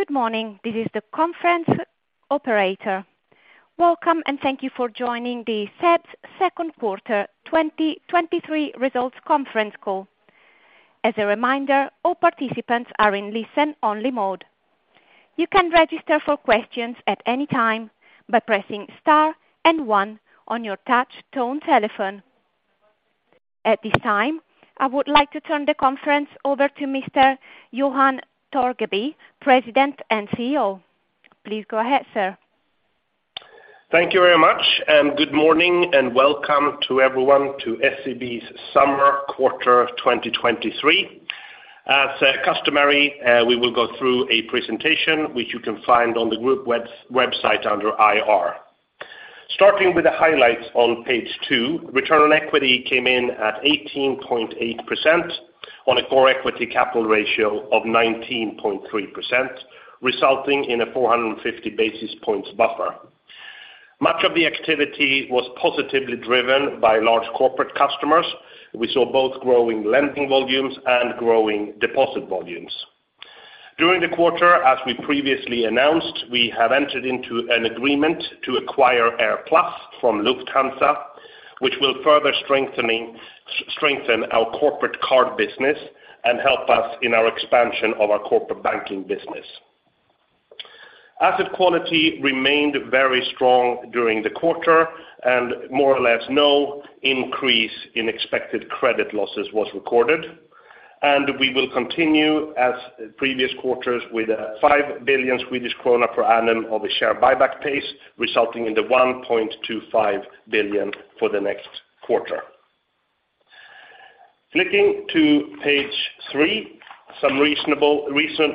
Good morning, this is the conference operator. Welcome, thank you for joining the SEB's second quarter 2023 results conference call. As a reminder, all participants are in listen-only mode. You can register for questions at any time by pressing star and one on your touch tone telephone. At this time, I would like to turn the conference over to Mr. Johan Torgeby, President and CEO. Please go ahead, sir. Thank you very much. Good morning, and welcome to everyone to SEB's summer quarter of 2023. As customary, we will go through a presentation which you can find on the group website under IR. Starting with the highlights on page two, return on equity came in at 18.8% on a core equity capital ratio of 19.3%, resulting in a 450 basis points buffer. Much of the activity was positively driven by large corporate customers. We saw both growing lending volumes and growing deposit volumes. During the quarter, as we previously announced, we have entered into an agreement to acquire AirPlus from Lufthansa, which will further strengthen our corporate card business and help us in our expansion of our corporate banking business. Asset quality remained very strong during the quarter, more or less, no increase in expected credit losses was recorded. We will continue, as previous quarters, with a 5 billion Swedish krona per annum of a share buyback pace, resulting in 1.25 billion for the next quarter. Flipping to page three, some reasonable, recent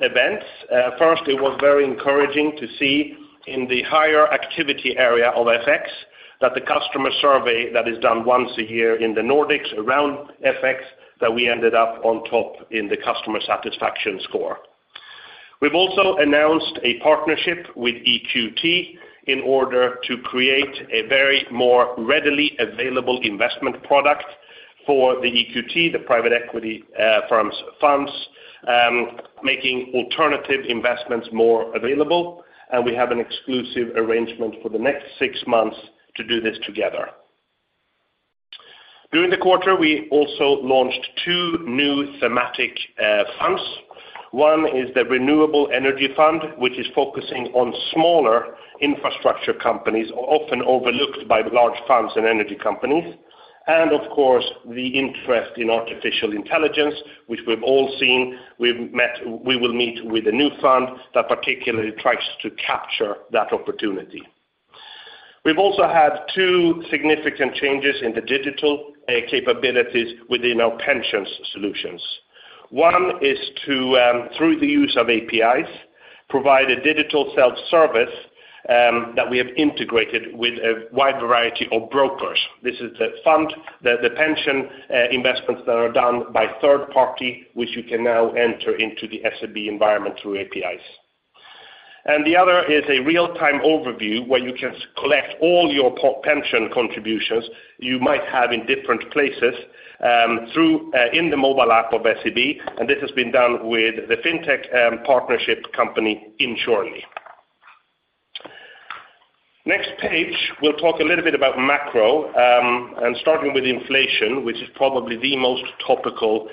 events. First, it was very encouraging to see in the higher activity area of FX, that the customer survey that is done once a year in the Nordics around FX, that we ended up on top in the customer satisfaction score. We've also announced a partnership with EQT in order to create a very more readily available investment product for the EQT, the private equity firms, funds, making alternative investments more available, we have an exclusive arrangement for the next six months to do this together. During the quarter, we also launched two new thematic funds. One is the Renewable Energy Fund, which is focusing on smaller infrastructure companies, often overlooked by large funds and energy companies. Of course, the interest in artificial intelligence, which we've all seen, we will meet with a new fund that particularly tries to capture that opportunity. We've also had two significant changes in the digital capabilities within our pensions solutions. One is to, through the use of APIs, provide a digital self-service that we have integrated with a wide variety of brokers. This is the fund, the pension investments that are done by third party, which you can now enter into the SEB environment through APIs. The other is a real-time overview, where you can collect all your pension contributions you might have in different places, through in the mobile app of SEB, and this has been done with the fintech partnership company, Insurely. Next page, we'll talk a little bit about macro, and starting with inflation, which is probably the most topical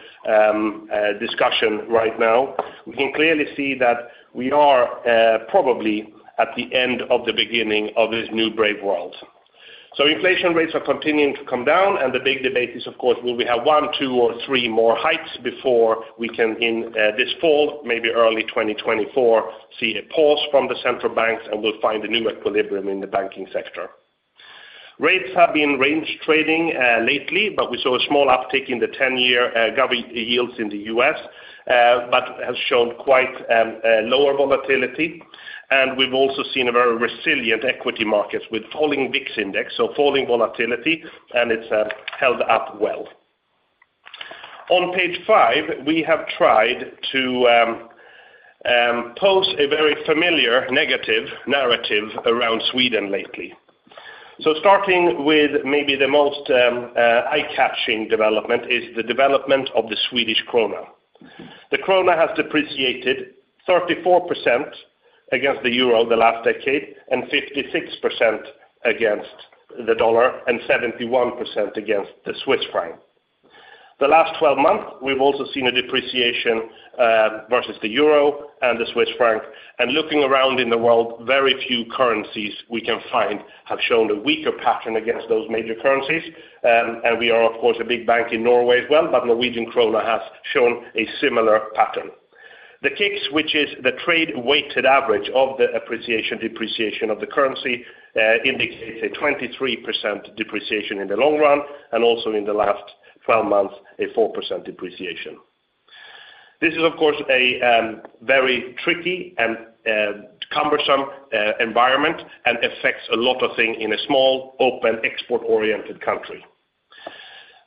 discussion right now. We can clearly see that we are probably at the end of the beginning of this new brave world. Inflation rates are continuing to come down, and the big debate is, of course, will we have one, two, or three more hikes before we can in this fall, maybe early 2024, see a pause from the central banks, and we'll find a new equilibrium in the banking sector. Rates have been range trading lately, but we saw a small uptick in the 10-year government yields in the U.S., but has shown quite lower volatility. We've also seen a very resilient equity markets with falling VIX index, so falling volatility, and it's held up well. On page five, we have tried to pose a very familiar negative narrative around Sweden lately. Starting with maybe the most eye-catching development is the development of the Swedish krona. The krona has depreciated 34% against the euro in the last decade, and 56% against the dollar, and 71% against the Swiss Franc. The last 12 months, we've also seen a depreciation versus the euro and the Swiss franc, and looking around in the world, very few currencies we can find have shown a weaker pattern against those major currencies. We are, of course, a big bank in Norway as well, but Norwegian krona has shown a similar pattern. The KIX, which is the trade weighted average of the appreciation, depreciation of the currency, indicates a 23% depreciation in the long run, and also in the last 12 months, a 4% depreciation. This is, of course, a very tricky and cumbersome environment and affects a lot of thing in a small, open, export-oriented country.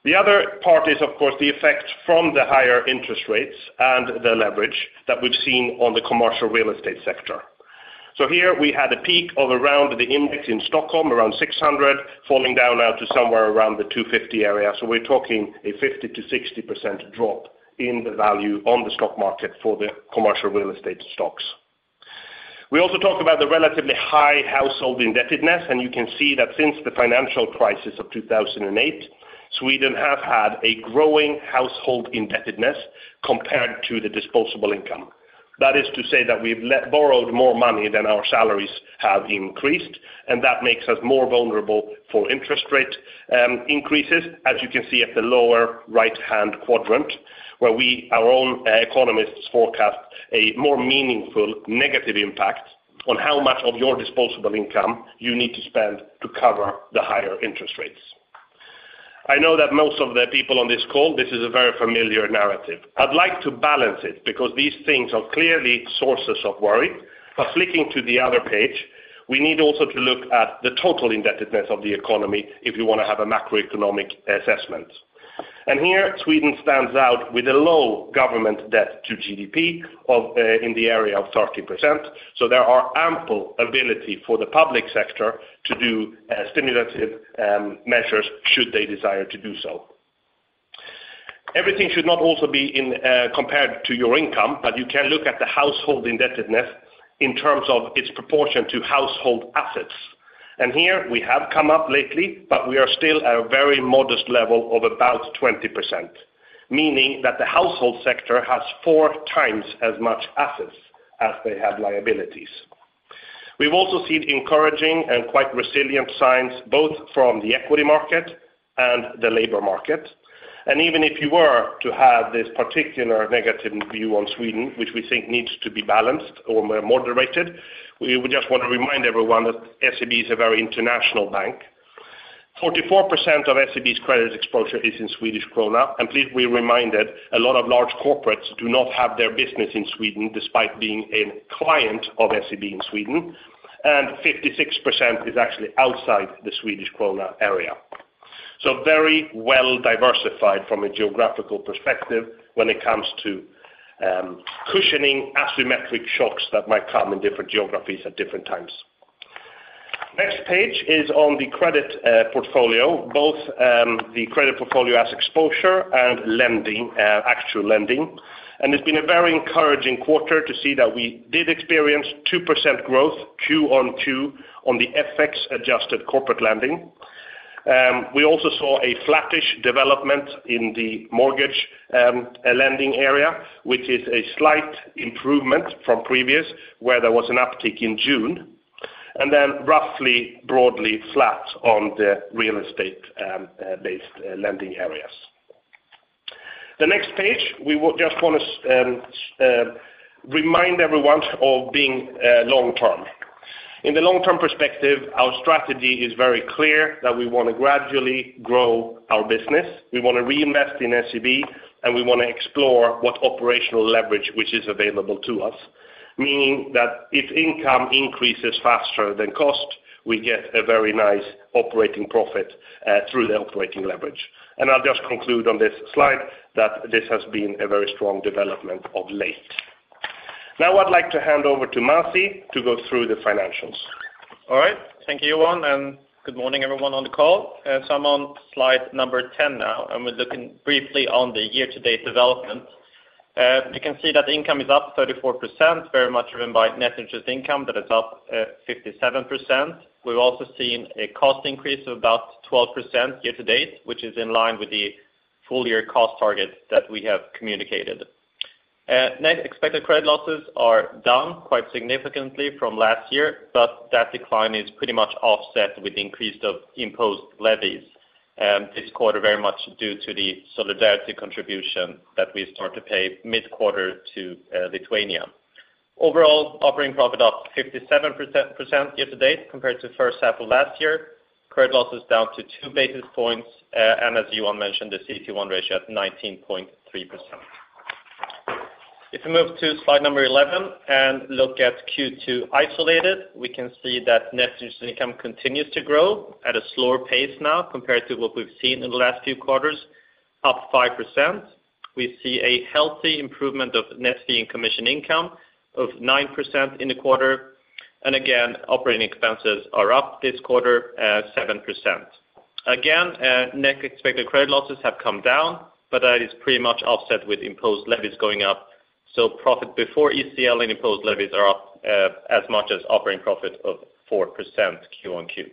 The other part is, of course, the effect from the higher interest rates and the leverage that we've seen on the commercial real estate sector.... Here we had a peak of around the index in Stockholm, around 600, falling down now to somewhere around the 250 area. We're talking a 50%-60% drop in the value on the stock market for the commercial real estate stocks. We also talked about the relatively high household indebtedness. You can see that since the financial crisis of 2008, Sweden have had a growing household indebtedness compared to the disposable income. That is to say that we've let borrowed more money than our salaries have increased, that makes us more vulnerable for interest rate increases, as you can see at the lower right-hand quadrant, where we, our own economists forecast a more meaningful negative impact on how much of your disposable income you need to spend to cover the higher interest rates. I know that most of the people on this call, this is a very familiar narrative. I'd like to balance it because these things are clearly sources of worry. Flicking to the other page, we need also to look at the total indebtedness of the economy if you want to have a macroeconomic assessment. Here, Sweden stands out with a low government debt to GDP of, in the area of 30%. There are ample ability for the public sector to do stimulative measures should they desire to do so. Everything should not also be in compared to your income, but you can look at the household indebtedness in terms of its proportion to household assets. Here we have come up lately, but we are still at a very modest level of about 20%, meaning that the household sector has 4x as much assets as they have liabilities. We've also seen encouraging and quite resilient signs, both from the equity market and the labor market. Even if you were to have this particular negative view on Sweden, which we think needs to be balanced or more moderated, we would just want to remind everyone that SEB is a very international bank. 44% of SEB's credit exposure is in Swedish krona, and please be reminded, a lot of large corporates do not have their business in Sweden, despite being a client of SEB in Sweden, and 56% is actually outside the Swedish krona area. Very well diversified from a geographical perspective when it comes to cushioning asymmetric shocks that might come in different geographies at different times. Next page is on the credit portfolio, both the credit portfolio as exposure and lending actual lending. It's been a very encouraging quarter to see that we did experience 2% growth, q-on-q, on the FX-adjusted corporate lending. We also saw a flattish development in the mortgage lending area, which is a slight improvement from previous, where there was an uptick in June, and then roughly broadly flat on the real estate based lending areas. The next page, we just want to remind everyone of being long term. In the long-term perspective, our strategy is very clear that we want to gradually grow our business, we want to reinvest in SEB, and we want to explore what operational leverage which is available to us. Meaning that if income increases faster than cost, we get a very nice operating profit through the operating leverage. I'll just conclude on this slide that this has been a very strong development of late. I'd like to hand over to Masih to go through the financials. All right. Thank you, Johan, and good morning, everyone on the call. I'm on slide number 10 now, and we're looking briefly on the year-to-date development. You can see that income is up 34%, very much driven by net interest income, that is up 57%. We've also seen a cost increase of about 12% year-to-date, which is in line with the full year cost target that we have communicated. Net expected credit losses are down quite significantly from last year, that decline is pretty much offset with increased of imposed levies this quarter, very much due to the solidarity contribution that we start to pay mid-quarter to Lithuania. Overall, operating profit up 57% year-to-date compared to the first half of last year. Credit loss is down to 2 basis points, and as Johan mentioned, the CET1 ratio at 19.3%. If you move to slide number 11 and look at Q2 isolated, we can see that net interest income continues to grow at a slower pace now compared to what we've seen in the last few quarters, up 5%. We see a healthy improvement of net fee and commission income of 9% in the quarter. Again, operating expenses are up this quarter, 7%. Again, net expected credit losses have come down, but that is pretty much offset with imposed levies going up, so profit before ECL and imposed levies are up as much as operating profit of 4% q-on-q.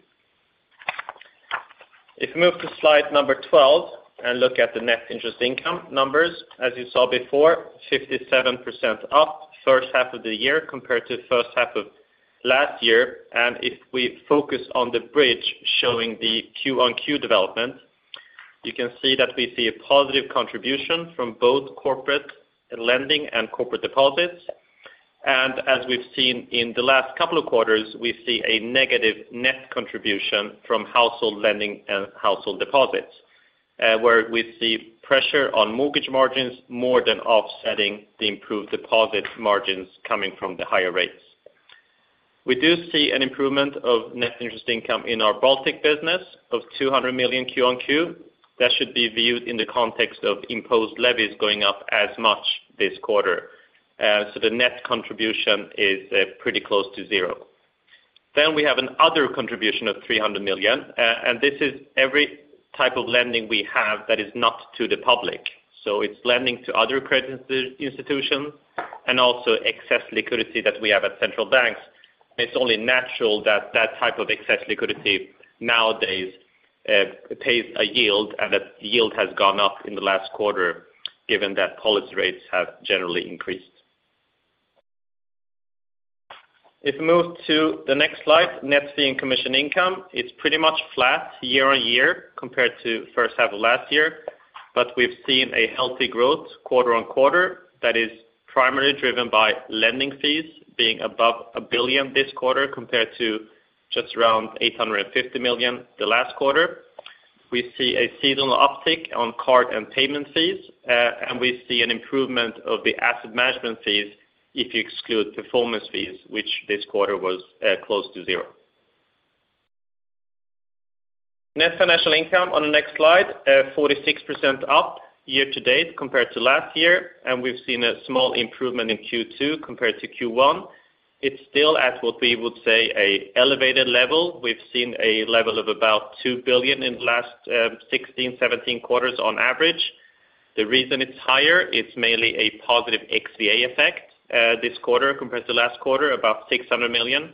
If you move to slide 12 and look at the net interest income numbers, as you saw before, 57% up first half of the year compared to the first half of last year. If we focus on the bridge showing the q-on-q development, you can see that we see a positive contribution from both corporate lending and corporate deposits. As we've seen in the last couple of quarters, we see a negative net contribution from household lending and household deposits, where we see pressure on mortgage margins more than offsetting the improved deposit margins coming from the higher rates. We do see an improvement of net interest income in our Baltic business of 200 million q-on-q. That should be viewed in the context of imposed levies going up as much this quarter. The net contribution is pretty close to zero. We have another contribution of 300 million, and this is every type of lending we have that is not to the public. It's lending to other credit institutions and also excess liquidity that we have at central banks. It's only natural that that type of excess liquidity nowadays pays a yield, and that yield has gone up in the last quarter given that policy rates have generally increased. If you move to the next slide, net fee and commission income, it's pretty much flat year-on-year compared to first half of last year, but we've seen a healthy growth quarter-on-quarter that is primarily driven by lending fees being above 1 billion this quarter compared to just around 850 million the last quarter. We see a seasonal uptick on card and payment fees, and we see an improvement of the asset management fees if you exclude performance fees, which this quarter was close to zero. Net financial income on the next slide, 46% up year-to-date compared to last year, and we've seen a small improvement in Q2 compared to Q1. It's still, as what we would say, a elevated level. We've seen a level of about 2 billion in the last 16, 17 quarters on average. The reason it's higher is mainly a positive XVA effect this quarter compared to last quarter, about 600 million.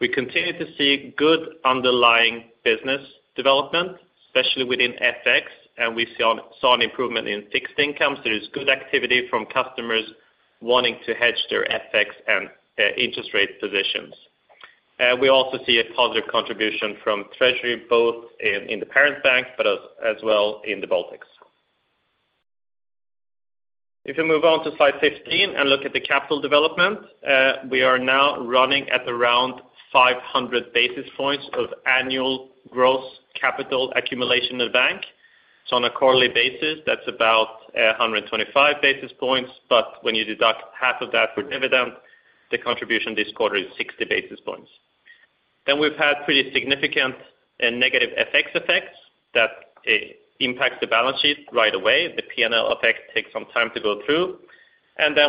We continue to see good underlying business development, especially within FX, and we saw an improvement in fixed income. There is good activity from customers wanting to hedge their FX and interest rate positions. We also see a positive contribution from Treasury, both in the parent bank, but as well in the Baltics. If you move on to slide 15 and look at the capital development, we are now running at around 500 basis points of annual gross capital accumulation in the bank. On a quarterly basis, that's about 125 basis points, but when you deduct half of that for dividend, the contribution this quarter is 60 basis points. We've had pretty significant and negative FX effects that impact the balance sheet right away. The PNL effect takes some time to go through.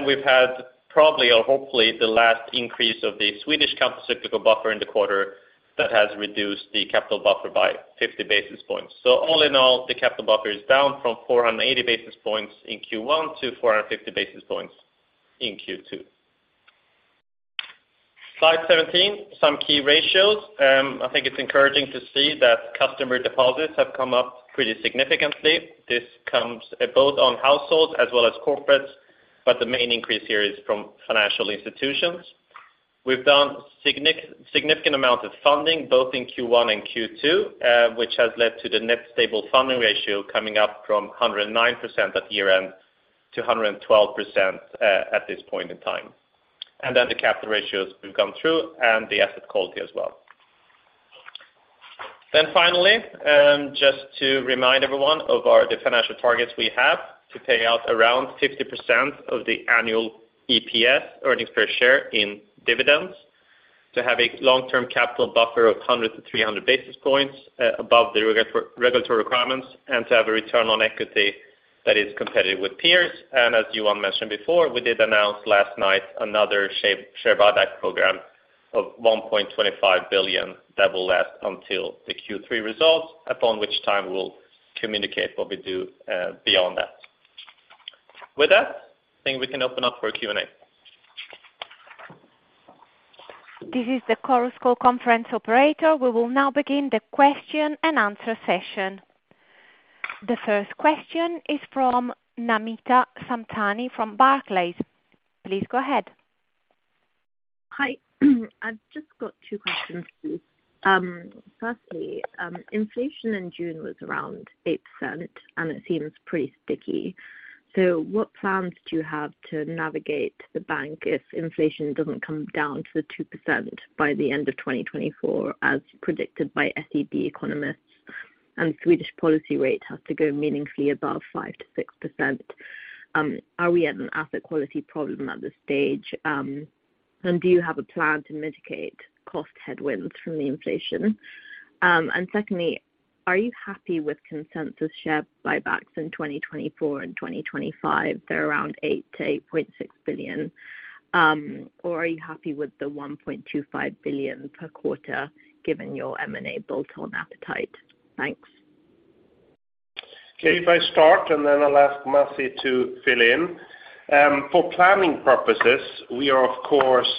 We've had probably or hopefully the last increase of the Swedish countercyclical buffer in the quarter that has reduced the capital buffer by 50 basis points. All in all, the capital buffer is down from 480 basis points in Q1 to 450 basis points in Q2. Slide 17, some key ratios. I think it's encouraging to see that customer deposits have come up pretty significantly. This comes both on households as well as corporates, but the main increase here is from financial institutions. We've done significant amount of funding, both in Q1 and Q2, which has led to the net stable funding ratio coming up from 109% at year-end to 112% at this point in time. The capital ratios we've gone through and the asset quality as well. Finally, just to remind everyone of our, the financial targets we have to pay out around 50% of the annual EPS, earnings per share, in dividends, to have a long-term capital buffer of 100 to 300 basis points above the regulatory requirements, and to have a return on equity that is competitive with peers. As Johan mentioned before, we did announce last night another share buyback program of 1.25 billion that will last until the Q3 results, upon which time we'll communicate what we do beyond that. With that, I think we can open up for Q&A. This is the Chorus Call conference operator. We will now begin the question and answer session. The first question is from Namita Samtani from Barclays. Please go ahead. Hi. I've just got two questions for you. Firstly, inflation in June was around 8%, and it seems pretty sticky. What plans do you have to navigate the bank if inflation doesn't come down to the 2% by the end of 2024, as predicted by SEB economists, and Swedish policy rate has to go meaningfully above 5%-6%? Are we at an asset quality problem at this stage? Do you have a plan to mitigate cost headwinds from the inflation? Secondly, are you happy with consensus share buybacks in 2024 and 2025? They're around 8 billion-8.6 billion. Or are you happy with the 1.25 billion per quarter, given your M&A bolt-on appetite? Thanks. If I start, and then I'll ask Masih to fill in. For planning purposes, we are of course,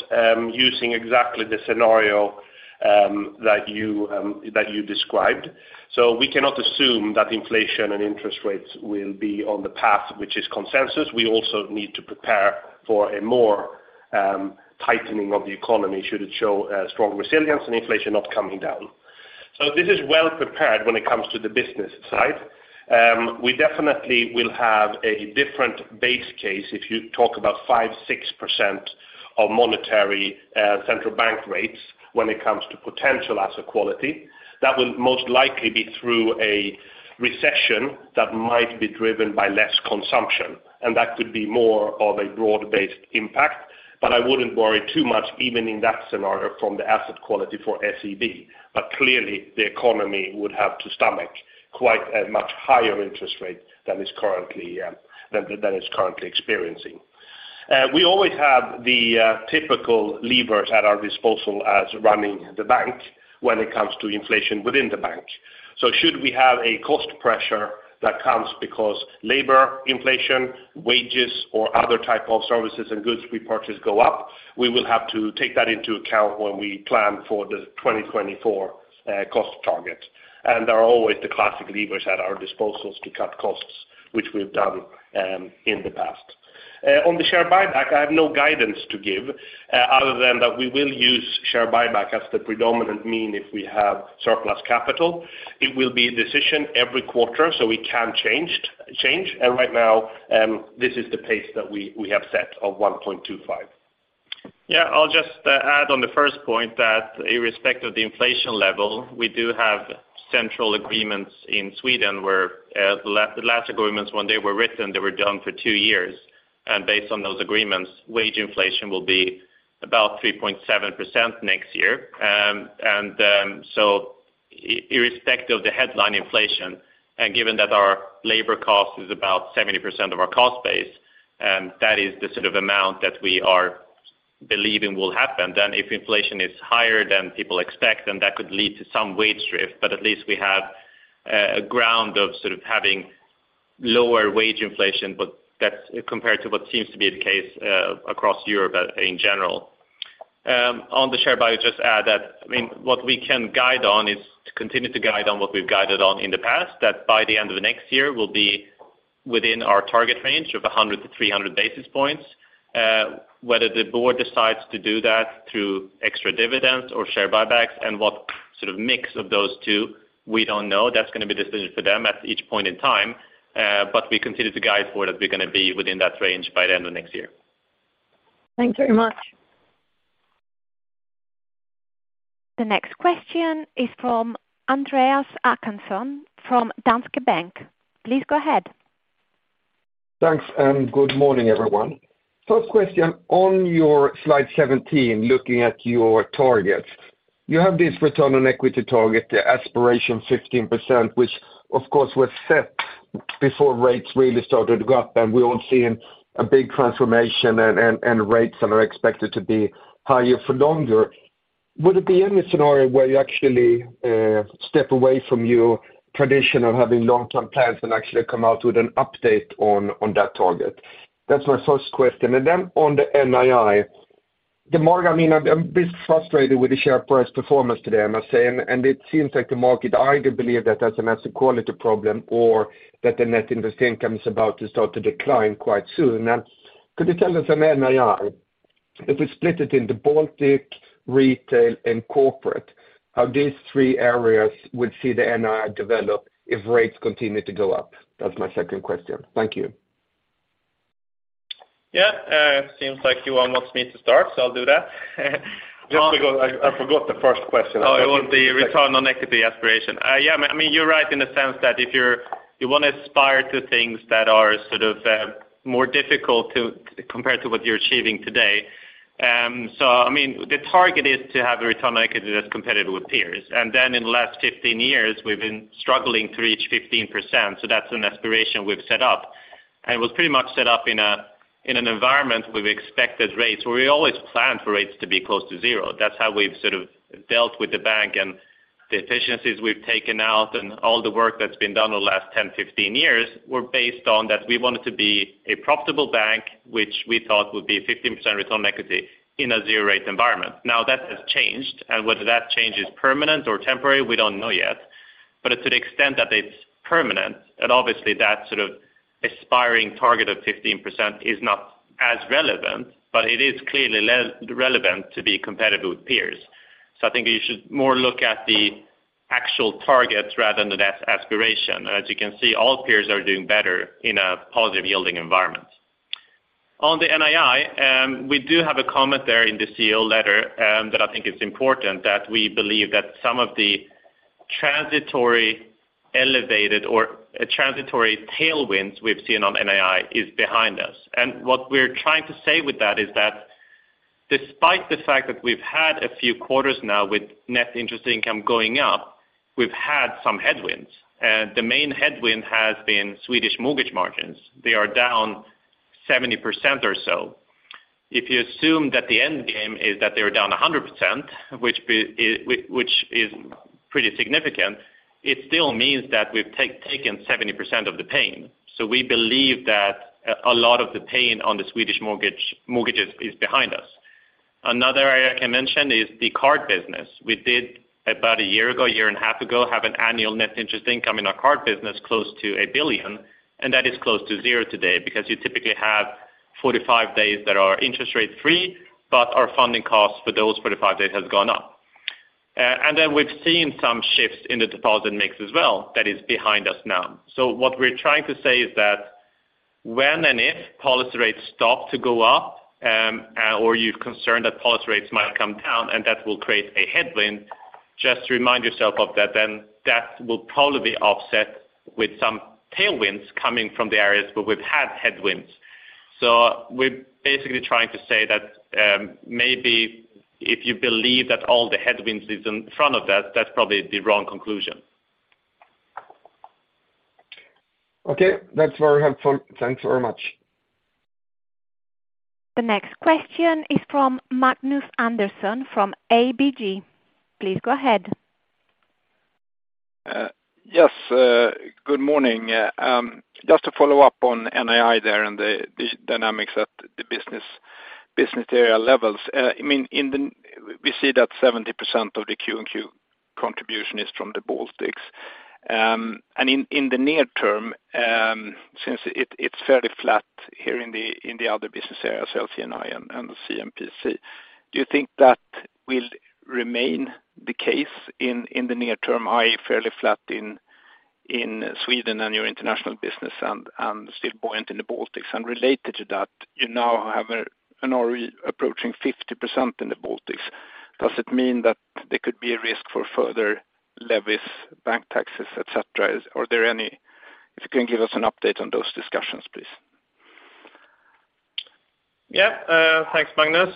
using exactly the scenario that you described. We cannot assume that inflation and interest rates will be on the path which is consensus. We also need to prepare for a more tightening of the economy should it show strong resilience and inflation not coming down. This is well prepared when it comes to the business side. We definitely will have a different base case if you talk about 5%, 6% of monetary central bank rates when it comes to potential asset quality. That will most likely be through a recession that might be driven by less consumption, and that could be more of a broad-based impact. I wouldn't worry too much, even in that scenario, from the asset quality for SEB. Clearly, the economy would have to stomach quite a much higher interest rate than it's currently experiencing. We always have the typical levers at our disposal as running the bank when it comes to inflation within the bank. Should we have a cost pressure that comes because labor inflation, wages, or other type of services and goods we purchase go up, we will have to take that into account when we plan for the 2024 cost target. There are always the classic levers at our disposals to cut costs, which we've done in the past. On the share buyback, I have no guidance to give other than that we will use share buyback as the predominant mean if we have surplus capital. It will be a decision every quarter, so we can change. Right now, this is the pace that we have set of 1.25. I'll just add on the first point that irrespective of the inflation level, we do have central agreements in Sweden, where the last agreements, when they were written, they were done for two years. Based on those agreements, wage inflation will be about 3.7% next year. Irrespective of the headline inflation, and given that our labor cost is about 70% of our cost base, that is the sort of amount that we are believing will happen. If inflation is higher than people expect, then that could lead to some wage drift, at least we have a ground of sort of having lower wage inflation, that's compared to what seems to be the case across Europe in general. On the share buy, just add that, I mean, what we can guide on is to continue to guide on what we've guided on in the past, that by the end of the next year, we'll be within our target range of 100-300 basis points. Whether the board decides to do that through extra dividends or share buybacks and what sort of mix of those two, we don't know. That's gonna be decision for them at each point in time, but we continue to guide for that we're gonna be within that range by the end of next year. Thanks very much. The next question is from Andreas Håkansson from Danske Bank. Please go ahead. Thanks, good morning, everyone. First question, on your slide 17, looking at your targets, you have this return on equity target, the aspiration 15%, which of course, was set before rates really started to go up, and we're all seeing a big transformation and rates are expected to be higher for longer. Would it be any scenario where you actually step away from your tradition of having long-term plans and actually come out with an update on that target? That's my first question. On the NII, the market, I mean, I'm a bit frustrated with the share price performance today, I must say, and it seems like the market either believe that there's an asset quality problem or that the net interest income is about to start to decline quite soon. Could you tell us from NII, if we split it in the Baltic, retail, and corporate, how these three areas would see the NII develop if rates continue to go up? That's my second question. Thank you. Yeah, seems like you wants me to start, so I'll do that. Just because I forgot the first question. It was the return on equity aspiration. Yeah, I mean, you're right in the sense that you want to aspire to things that are sort of more difficult compared to what you're achieving today. I mean, the target is to have a return on equity that's competitive with peers. In the last 15 years, we've been struggling to reach 15%, so that's an aspiration we've set up. It was pretty much set up in an environment with expected rates, where we always planned for rates to be close to zero. That's how we've sort of dealt with the bank and the efficiencies we've taken out, and all the work that's been done over the last 10, 15 years were based on that we wanted to be a profitable bank, which we thought would be a 15% return on equity in a zero-rate environment. Now, that has changed, and whether that change is permanent or temporary, we don't know yet. To the extent that it's permanent, and obviously that sort of aspiring target of 15% is not as relevant, but it is clearly less relevant to be competitive with peers. I think you should more look at the actual targets rather than the as-aspiration. As you can see, all peers are doing better in a positive yielding environment. On the NII, we do have a comment there in the CEO letter, that I think is important, that we believe that some of the transitory, elevated or transitory tailwinds we've seen on NII is behind us. What we're trying to say with that is that despite the fact that we've had a few quarters now with net interest income going up, we've had some headwinds, and the main headwind has been Swedish mortgage margins. They are down 70% or so. If you assume that the end game is that they're down 100%, which is pretty significant, it still means that we've taken 70% of the pain. We believe that a lot of the pain on the Swedish mortgages is behind us. Another area I can mention is the card business. We did, about a year ago, a year and a half years ago, have an annual net interest income in our card business close to 1 billion, and that is close to zero today because you typically have 45 days that are interest rate free, but our funding costs for those 45 days has gone up. We've seen some shifts in the deposit mix as well, that is behind us now. What we're trying to say is that when and if policy rates stop to go up, or you're concerned that policy rates might come down and that will create a headwind. Just to remind yourself of that will probably be offset with some tailwinds coming from the areas where we've had headwinds. We're basically trying to say that, maybe if you believe that all the headwinds is in front of that's probably the wrong conclusion. Okay, that's very helpful. Thanks very much. The next question is from Magnus Andersson from ABG. Please go ahead. Yes, good morning. Just to follow up on NII there and the dynamics at the business area levels. I mean, in the, we see that 70% of the q and q contribution is from the Baltics. In the near term, since it's fairly flat here in the other business areas, LC&I and the C&PC, do you think that will remain the case in the near term, i.e., fairly flat in Sweden and your international business and still buoyant in the Baltics? Related to that, you now have an ROE approaching 50% in the Baltics. Does it mean that there could be a risk for further levies, bank taxes, et cetera? Are there any If you can give us an update on those discussions, please. Yeah, thanks, Magnus.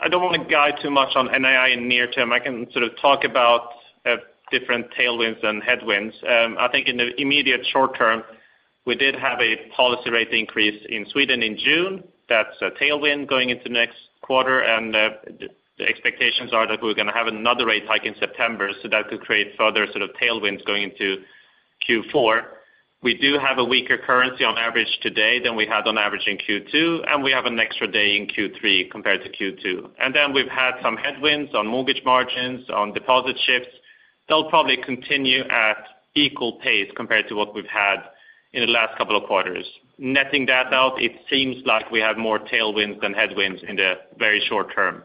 I don't want to guide too much on NII in near term. I can sort of talk about different tailwinds and headwinds. I think in the immediate short term, we did have a policy rate increase in Sweden in June. That's a tailwind going into next quarter, and the expectations are that we're gonna have another rate hike in September, so that could create further sort of tailwinds going into Q4. We do have a weaker currency on average today than we had on average in Q2, and we have an extra day in Q3 compared to Q2. We've had some headwinds on mortgage margins, on deposit shifts. They'll probably continue at equal pace compared to what we've had in the last couple of quarters. Netting that out, it seems like we have more tailwinds than headwinds in the very short term.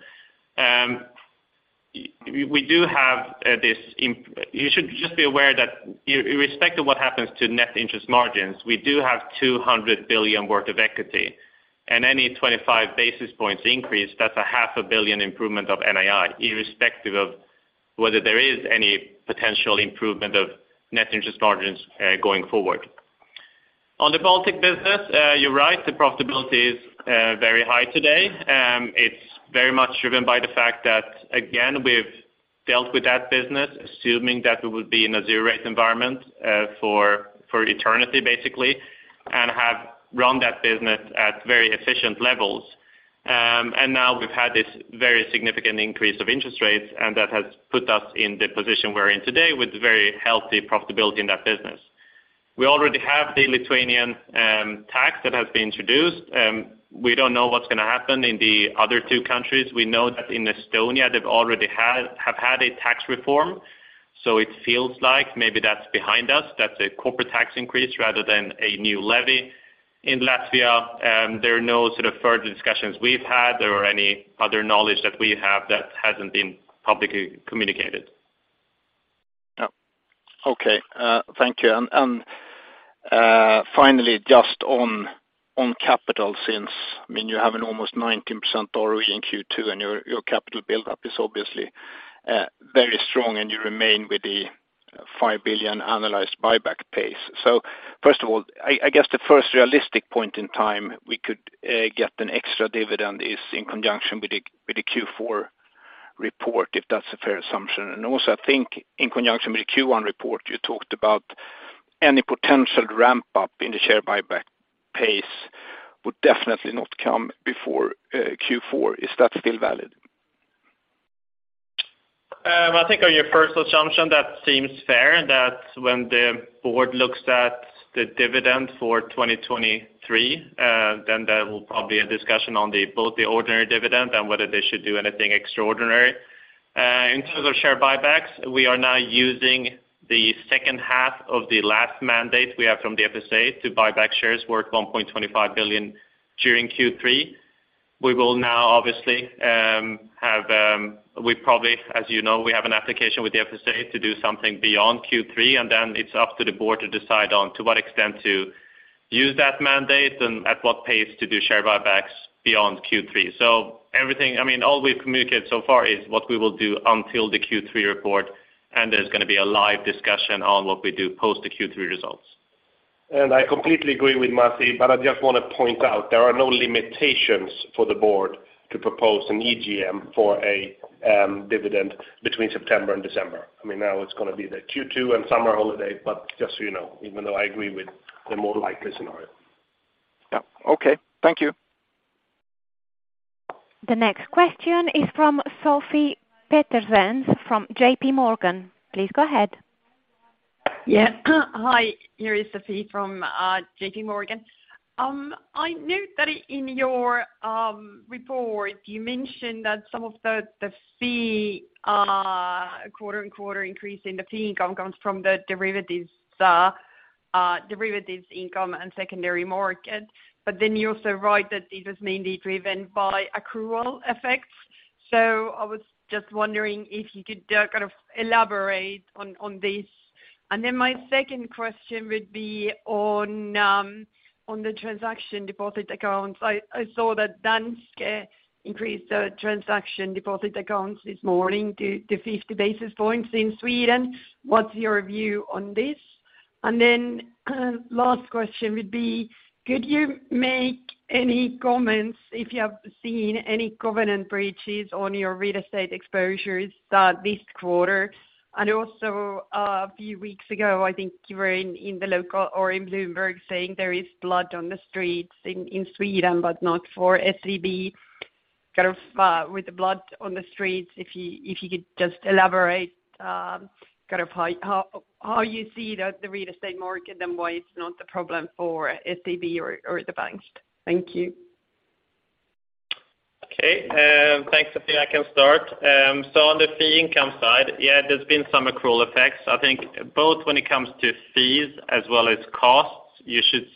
We do have, you should just be aware that irrespective of what happens to net interest margins, we do have 200 billion worth of equity, and any 25 basis points increase, that's a SEK half a billion improvement of NII, irrespective of whether there is any potential improvement of net interest margins going forward. On the Baltic business, you're right, the profitability is very high today. It's very much driven by the fact that, again, we've dealt with that business, assuming that we would be in a zero rate environment for eternity, basically, and have run that business at very efficient levels. Now we've had this very significant increase of interest rates, and that has put us in the position we're in today with very healthy profitability in that business. We already have the Lithuanian tax that has been introduced. We don't know what's gonna happen in the other two countries. We know that in Estonia, they've already had a tax reform, it feels like maybe that's behind us. That's a corporate tax increase rather than a new levy. In Latvia, there are no sort of further discussions we've had or any other knowledge that we have that hasn't been publicly communicated. Yeah. Okay, thank you. Finally, just on capital since, I mean, you have an almost 19% ROE in Q2, and your capital buildup is obviously very strong, and you remain with the 5 billion analyzed buyback pace. First of all, I guess the first realistic point in time we could get an extra dividend is in conjunction with the Q4 report, if that's a fair assumption. Also, I think in conjunction with the Q1 report, you talked about any potential ramp up in the share buyback pace would definitely not come before Q4. Is that still valid? I think on your first assumption, that seems fair, that when the board looks at the dividend for 2023, then there will probably a discussion on the, both the ordinary dividend and whether they should do anything extraordinary. In terms of share buybacks, we are now using the second half of the last mandate we have from the FSA to buy back shares worth 1.25 billion during Q3. We will now obviously, have, we probably, as you know, we have an application with the FSA to do something beyond Q3. Then it's up to the board to decide on to what extent to use that mandate and at what pace to do share buybacks beyond Q3. Everything, I mean, all we've communicated so far is what we will do until the Q3 report, and there's going to be a live discussion on what we do post the Q3 results. I completely agree with Masih, but I just want to point out there are no limitations for the board to propose an EGM for a dividend between September and December. I mean, now it's gonna be the Q2 and summer holiday, but just so you know, even though I agree with the more likely scenario. Yeah. Okay. Thank you. The next question is from Sofie Peterzens from JPMorgan. Please go ahead. Hi, here is Sofie from JPMorgan. I noted that in your report, you mentioned that some of the fee quarter-over-quarter increase in the fee income comes from the derivatives income and secondary market. You also write that it was mainly driven by accrual effects. I was just wondering if you could kind of elaborate on this? My second question would be on the transaction deposit accounts. I saw that Danske increased the transaction deposit accounts this morning to 50 basis points in Sweden. What's your view on this? Last question would be, could you make any comments if you have seen any covenant breaches on your real estate exposures this quarter? Also, a few weeks ago, I think you were in the local or in Bloomberg saying there is blood on the streets in Sweden, but not for SEB. Kind of, with the blood on the streets, if you could just elaborate, kind of how you see the real estate market and why it's not a problem for SEB or the banks? Thank you. Okay. Thanks, Sofie, I can start. On the fee income side, yeah, there's been some accrual effects. I think both when it comes to fees as well as costs, you should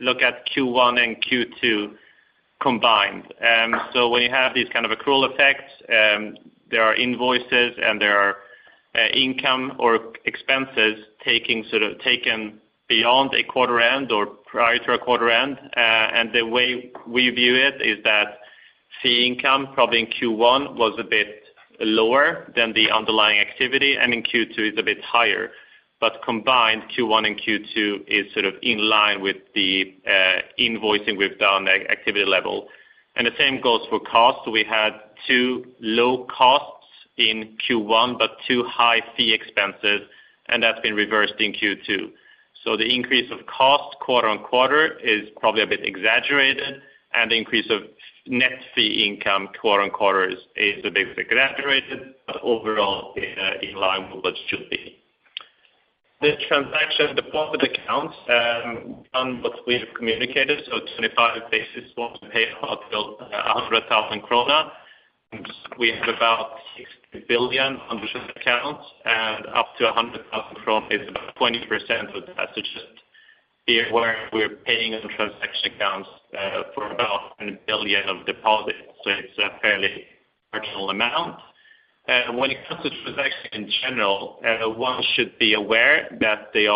look at Q1 and Q2 combined. When you have these kind of accrual effects, there are invoices and there are income or expenses taking sort of, taken beyond a quarter end or prior to a quarter end. The way we view it, is that fee income, probably in Q1, was a bit lower than the underlying activity, and in Q2 is a bit higher. Combined, Q1 and Q2 is sort of in line with the invoicing we've done at activity level. The same goes for cost. We had too low costs in Q1, too high fee expenses, that's been reversed in Q2. The increase of cost quarter-on-quarter is probably a bit exaggerated, the increase of net fee income quarter-on-quarter is a bit exaggerated, overall, in line with what it should be. The transaction deposit accounts on what we have communicated, 25 basis points pay out up to 100,000 krona. We have about 60 billion on accounts, up to 100,000 krona is about 20% of the message where we're paying on transaction accounts for about 1 billion of deposits. It's a fairly marginal amount. When it comes to transaction in general, one should be aware that there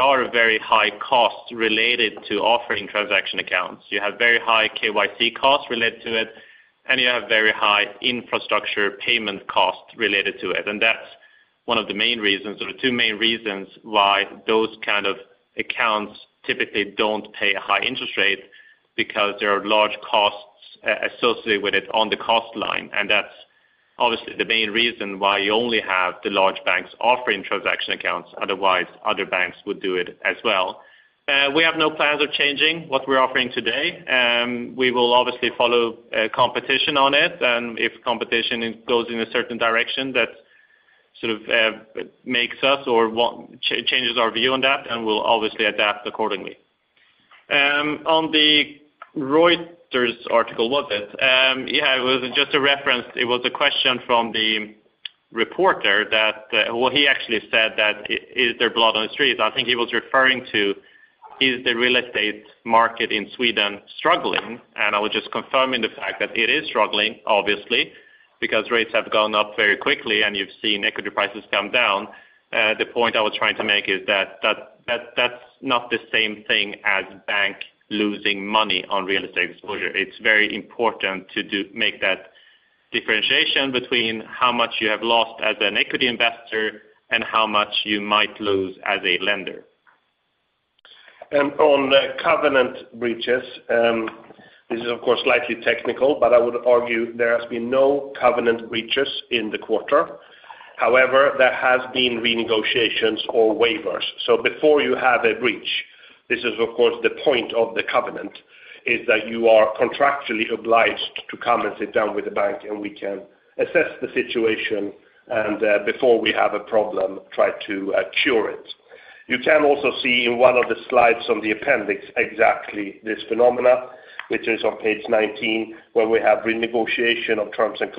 are very high costs related to offering transaction accounts. You have very high KYC costs related to it, you have very high infrastructure payment costs related to it. That's one of the main reasons, or the two main reasons, why those kind of accounts typically don't pay a high interest rate, because there are large costs associated with it on the cost line. That's obviously the main reason why you only have the large banks offering transaction accounts, otherwise, other banks would do it as well. We have no plans of changing what we're offering today. We will obviously follow competition on it, and if competition goes in a certain direction, that sort of makes us or changes our view on that, and we'll obviously adapt accordingly. On the Reuters article, was it? Yeah, it was just a reference. It was a question from the reporter that, well, he actually said that, "Is there blood on the streets?" I think he was referring to, is the real estate market in Sweden struggling? I was just confirming the fact that it is struggling, obviously, because rates have gone up very quickly and you've seen equity prices come down. The point I was trying to make is that's not the same thing as bank losing money on real estate exposure. It's very important to make that differentiation between how much you have lost as an equity investor and how much you might lose as a lender. On the covenant breaches, this is, of course, slightly technical, but I would argue there has been no covenant breaches in the quarter. However, there has been renegotiations or waivers. Before you have a breach, this is, of course, the point of the covenant, is that you are contractually obliged to come and sit down with the bank, and we can assess the situation, before we have a problem, try to cure it. You can also see in one of the slides on the appendix, exactly this phenomena, which is on page 19, where we have renegotiation of terms and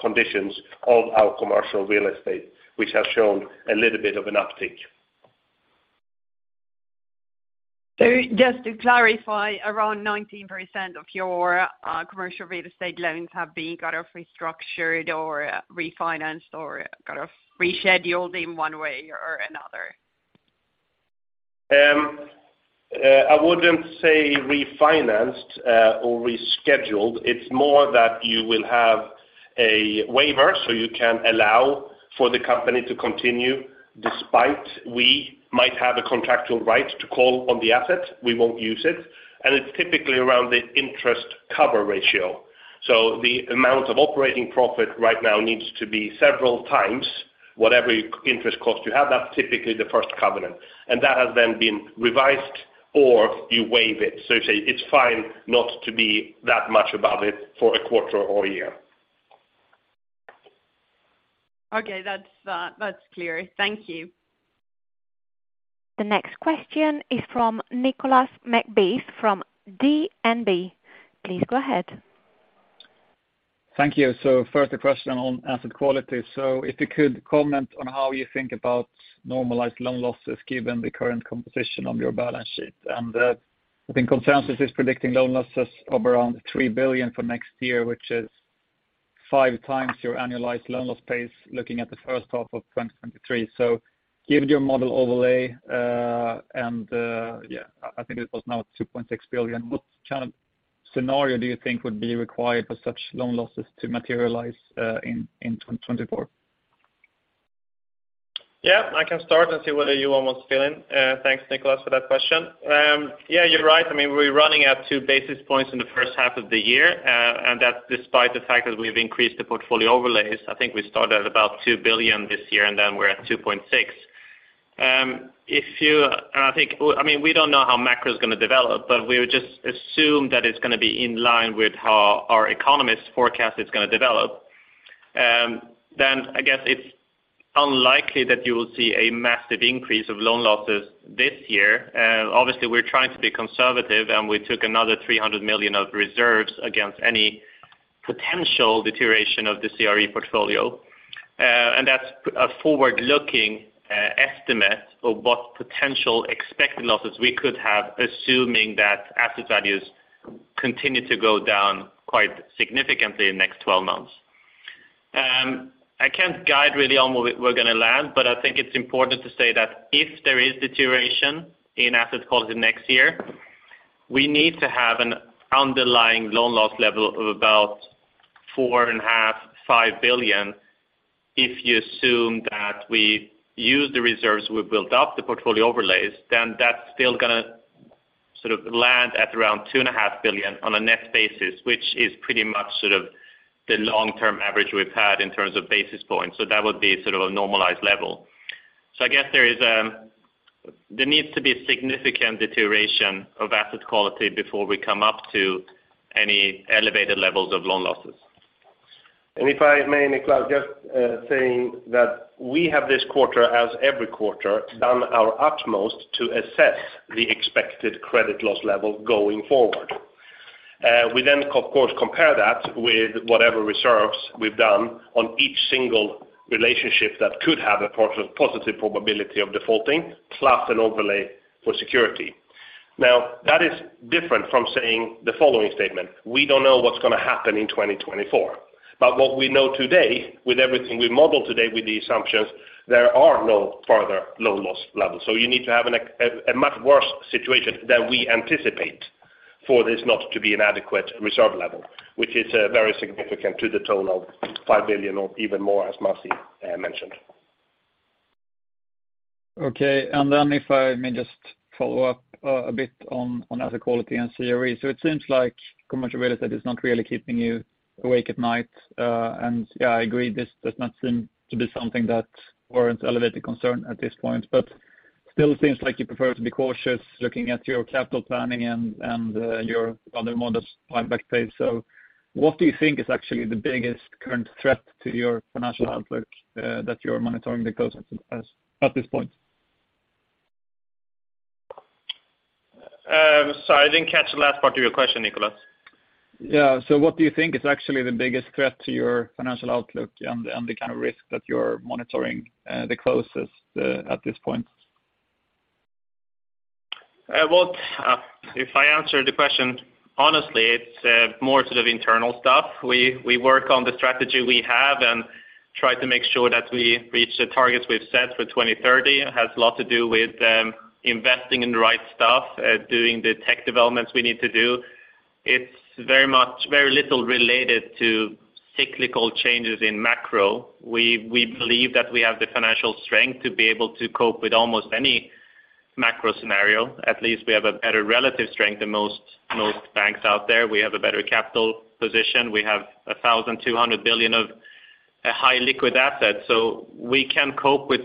conditions of our commercial real estate, which has shown a little bit of an uptick. Just to clarify, around 19% of your commercial real estate loans have been kind of restructured or refinanced or kind of rescheduled in one way or another? I wouldn't say refinanced, or rescheduled. It's more that you will have a waiver, so you can allow for the company to continue. Despite we might have a contractual right to call on the asset, we won't use it, and it's typically around the interest coverage ratio. The amount of operating profit right now needs to be several times whatever interest cost you have, that's typically the first covenant, and that has then been revised or you waive it. Say it's fine not to be that much above it for a quarter or a year. Okay, that's clear. Thank you. The next question is from Nicolas McBeath, from DNB. Please go ahead. Thank you. First, a question on asset quality. If you could comment on how you think about normalized loan losses, given the current composition of your balance sheet. I think consensus is predicting loan losses of around 3 billion for next year, which is five times your annualized loan loss pace, looking at the first half of 2023. Give your model overlay, and yeah, I think it was now 2.6 billion. What kind of scenario do you think would be required for such loan losses to materialize in 2024? Yeah, I can start and see whether you want to fill in. Thanks, Nicolas, for that question. Yeah, you're right. I mean, we're running at 2 basis points in the first half of the year. That's despite the fact that we've increased the portfolio overlays. I think we started at about 2 billion this year. Then we're at 2.6 billion. If you, well, I mean, we don't know how macro is gonna develop. We would just assume that it's gonna be in line with how our economists forecast it's gonna develop. I guess it's unlikely that you will see a massive increase of loan losses this year. Obviously, we're trying to be conservative. We took another 300 million of reserves against any potential deterioration of the CRE portfolio. That's a forward-looking estimate of what potential expected losses we could have, assuming that asset values continue to go down quite significantly in the next 12 months. I can't guide really on where we're gonna land, but I think it's important to say that if there is deterioration in asset quality next year, we need to have an underlying loan loss level of about 4.5 billion-5 billion. If you assume that we use the reserves, we've built up the portfolio overlays, then that's still gonna sort of land at around 2.5 billion on a net basis, which is pretty much sort of the long-term average we've had in terms of basis points. That would be sort of a normalized level. I guess there is, there needs to be significant deterioration of asset quality before we come up to any elevated levels of loan losses. If I may, Nicolas, just saying that we have this quarter, as every quarter, done our utmost to assess the expected credit loss level going forward. We then, of course, compare that with whatever reserves we've done on each single relationship that could have a positive probability of defaulting, plus an overlay for security. That is different from saying the following statement: We don't know what's gonna happen in 2024, but what we know today with everything we model today, with the assumptions, there are no further loan loss levels. You need to have a much worse situation than we anticipate for this not to be an adequate reserve level, which is very significant to the tone of 5 billion or even more, as Masih mentioned. Okay. If I may just follow up a bit on asset quality and CRE. It seems like commercial real estate is not really keeping you awake at night. Yeah, I agree, this does not seem to be something that warrants elevated concern at this point, but still seems like you prefer to be cautious looking at your capital planning and your other models pipe backstage. What do you think is actually the biggest current threat to your financial outlook that you're monitoring the closest at this point? Sorry, I didn't catch the last part of your question, Nicolas. Yeah. What do you think is actually the biggest threat to your financial outlook and the kind of risk that you're monitoring the closest at this point? Well, if I answer the question honestly, it's more sort of internal stuff. We work on the strategy we have and try to make sure that we reach the targets we've set for 2030. It has a lot to do with investing in the right stuff, doing the tech developments we need to do. It's very much, very little related to cyclical changes in macro. We believe that we have the financial strength to be able to cope with almost any macro scenario. At least we have a better relative strength than most banks out there. We have a better capital position. We have 1,200 billion of a high liquid assets, so we can cope with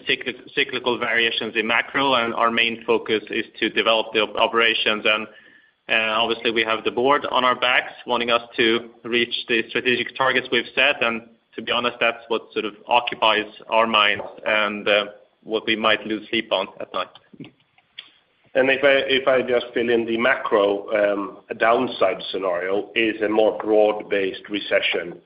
cyclical variations in macro. Our main focus is to develop the operations. Obviously, we have the board on our backs wanting us to reach the strategic targets we've set. To be honest, that's what sort of occupies our minds and what we might lose sleep on at night. If I, if I just fill in the macro, downside scenario is a more broad-based recession,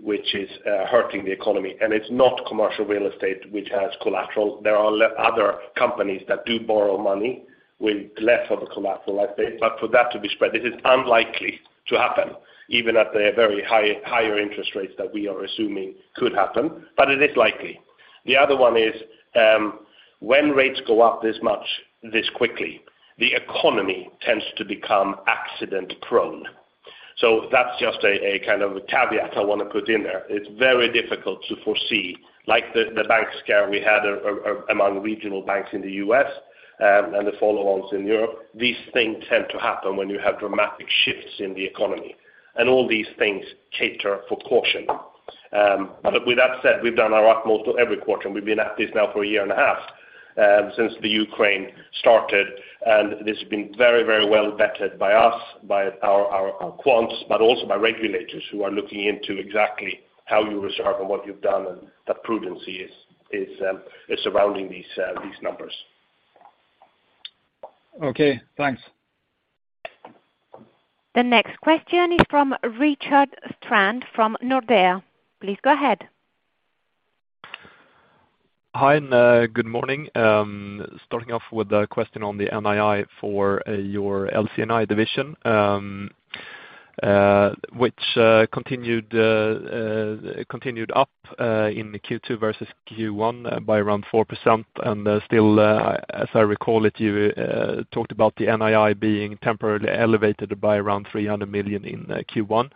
which is hurting the economy, and it's not commercial real estate, which has collateral. There are other companies that do borrow money with less of a collateral at stake, but for that to be spread, this is unlikely to happen, even at the very high, higher interest rates that we are assuming could happen, but it is likely. The other one is, when rates go up this much, this quickly, the economy tends to become accident-prone. That's just a kind of caveat I wanna put in there. It's very difficult to foresee, like the bank scare we had among regional banks in the U.S., and the follow-ons in Europe. These things tend to happen when you have dramatic shifts in the economy, and all these things cater for caution. With that said, we've done our utmost every quarter, and we've been at this now for a year and a half, since the Ukraine started, and this has been very well vetted by us, by our quants, but also by regulators who are looking into exactly how you reserve and what you've done, and that prudence is surrounding these numbers. Okay, thanks. The next question is from Rickard Strand, from Nordea. Please go ahead. Hi, and good morning. Starting off with a question on the NII for your LC&I division, which continued up in the Q2 versus Q1 by around 4%. Still, as I recall it, you talked about the NII being temporarily elevated by around 300 million in Q1.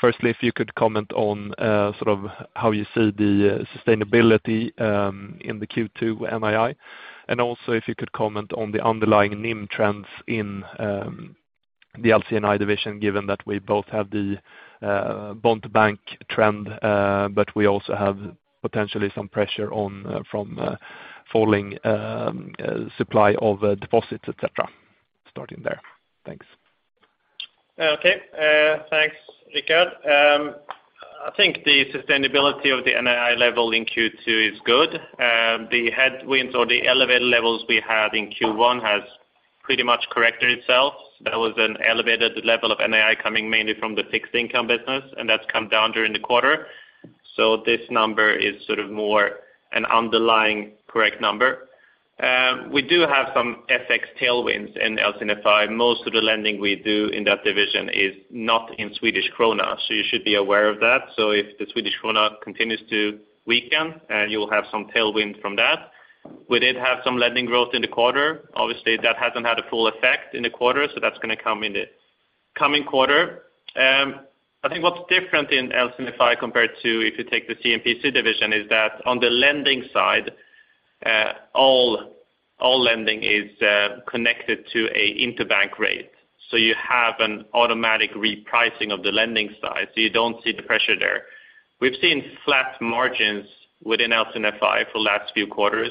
Firstly, if you could comment on sort of how you see the sustainability in the Q2 NII, and also if you could comment on the underlying NIM trends in the LC&I division, given that we both have the covered bond trend, but we also have potentially some pressure on from falling supply of deposits, et cetera, starting there? Thanks. Okay, thanks, Rickard. I think the sustainability of the NII level in Q2 is good. The headwinds or the elevated levels we had in Q1 has pretty much corrected itself. There was an elevated level of NII coming mainly from the fixed income business, and that's come down during the quarter. This number is sort of more an underlying correct number. We do have some FX tailwinds in LC&I. Most of the lending we do in that division is not in Swedish krona, so you should be aware of that. If the Swedish krona continues to weaken, you will have some tailwind from that. We did have some lending growth in the quarter. Obviously, that hasn't had a full effect in the quarter, so that's gonna come in the coming quarter. I think what's different in LC&I compared to if you take the C&PC division, is that on the lending side, all lending is connected to an interbank rate. You have an automatic repricing of the lending side, so you don't see the pressure there. We've seen flat margins within LC&I for the last few quarters,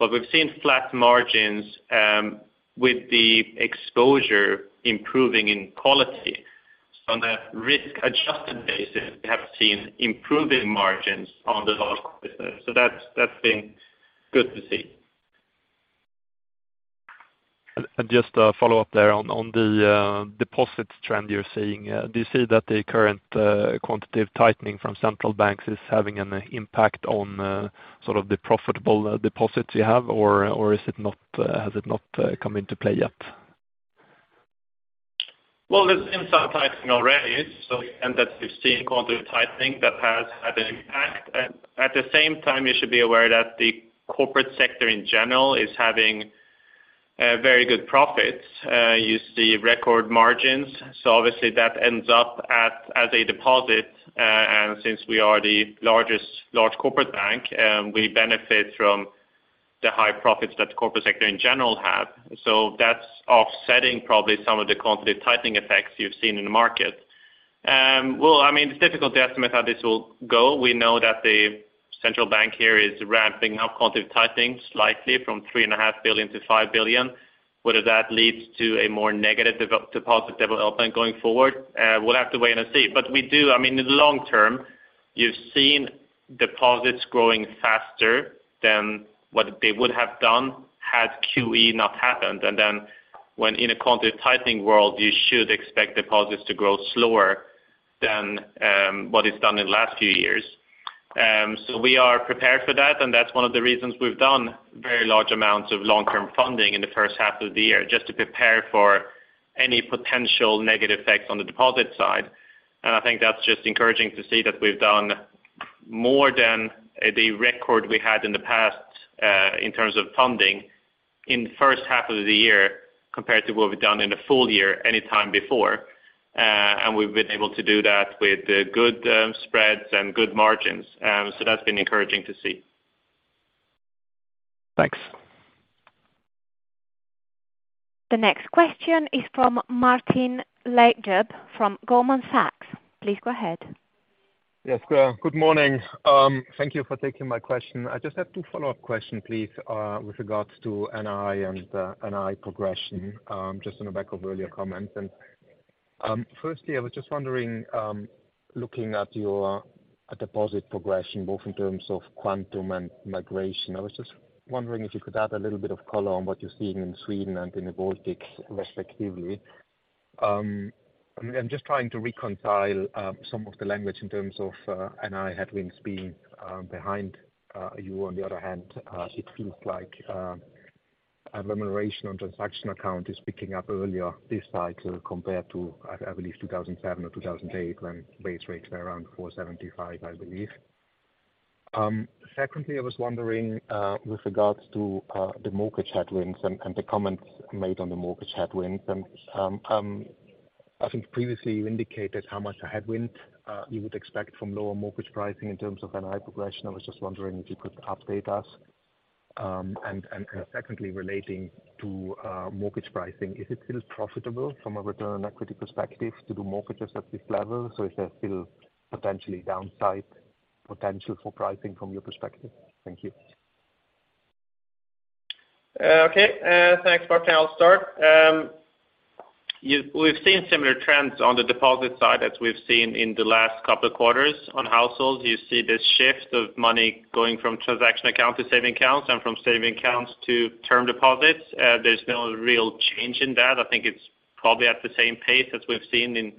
but we've seen flat margins with the exposure improving in quality. On a risk-adjusted basis, we have seen improving margins on the loan business, that's been good to see. Just a follow-up there on the deposits trend you're seeing. Do you see that the current quantitative tightening from central banks is having an impact on sort of the profitable deposits you have, or has it not come into play yet? There's inside tightening already, so and that we've seen quantitative tightening that has had an impact. At the same time, you should be aware that the corporate sector in general is having very good profits. You see record margins, so obviously that ends up at, as a deposit. Since we are the largest large corporate bank, we benefit from the high profits that the corporate sector in general have. That's offsetting probably some of the quantitative tightening effects you've seen in the market. Well, I mean, it's difficult to estimate how this will go. We know that the central bank here is ramping up quantitative tightening slightly from 3.5 billion to 5 billion. Whether that leads to a more negative deposit development going forward, we'll have to wait and see. We do... I mean, in the long term, you've seen deposits growing faster than what they would have done had QE not happened. Then when in a quantitative tightening world, you should expect deposits growing slower than what it's done in the last few years. We are prepared for that, and that's one of the reasons we've done very large amounts of long-term funding in the first half of the year, just to prepare for any potential negative effects on the deposit side. I think that's just encouraging to see that we've done more than the record we had in the past in terms of funding in the first half of the year, compared to what we've done in a full year, any time before. We've been able to do that with good spreads and good margins. That's been encouraging to see. Thanks. The next question is from Martin Leitgeb from Goldman Sachs. Please go ahead. Yes, good morning. Thank you for taking my question. I just have two follow-up question, please, with regards to NII and NII progression, just on the back of earlier comments. Firstly, I was just wondering, looking at your deposit progression, both in terms of quantum and migration, I was just wondering if you could add a little bit of color on what you're seeing in Sweden and in the Baltics respectively. I'm just trying to reconcile some of the language in terms of NII headwinds being behind you. On the other hand, it feels like a remuneration on transaction account is picking up earlier this cycle compared to, I believe, 2007 or 2008, when base rates were around 4.75%, I believe. Secondly, I was wondering with regards to the mortgage headwinds and the comments made on the mortgage headwinds, I think previously you indicated how much a headwind you would expect from lower mortgage pricing in terms of NII progression. I was just wondering if you could update us. Secondly, relating to mortgage pricing, is it still profitable from a return on equity perspective to do mortgages at this level? Is there still potentially downside potential for pricing from your perspective? Thank you. Okay, thanks, Martin. I'll start. We've seen similar trends on the deposit side, as we've seen in the last couple of quarters. On households, you see this shift of money going from transaction accounts to saving accounts, and from saving accounts to term deposits. There's no real change in that. I think it's probably at the same pace as we've seen in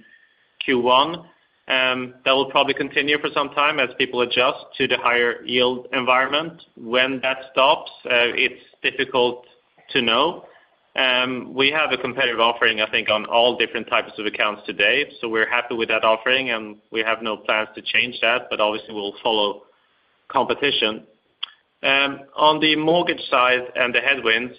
Q1. That will probably continue for some time as people adjust to the higher yield environment. When that stops, it's difficult to know. We have a competitive offering, I think, on all different types of accounts today, so we're happy with that offering, and we have no plans to change that, but obviously, we'll follow competition. On the mortgage side and the headwinds,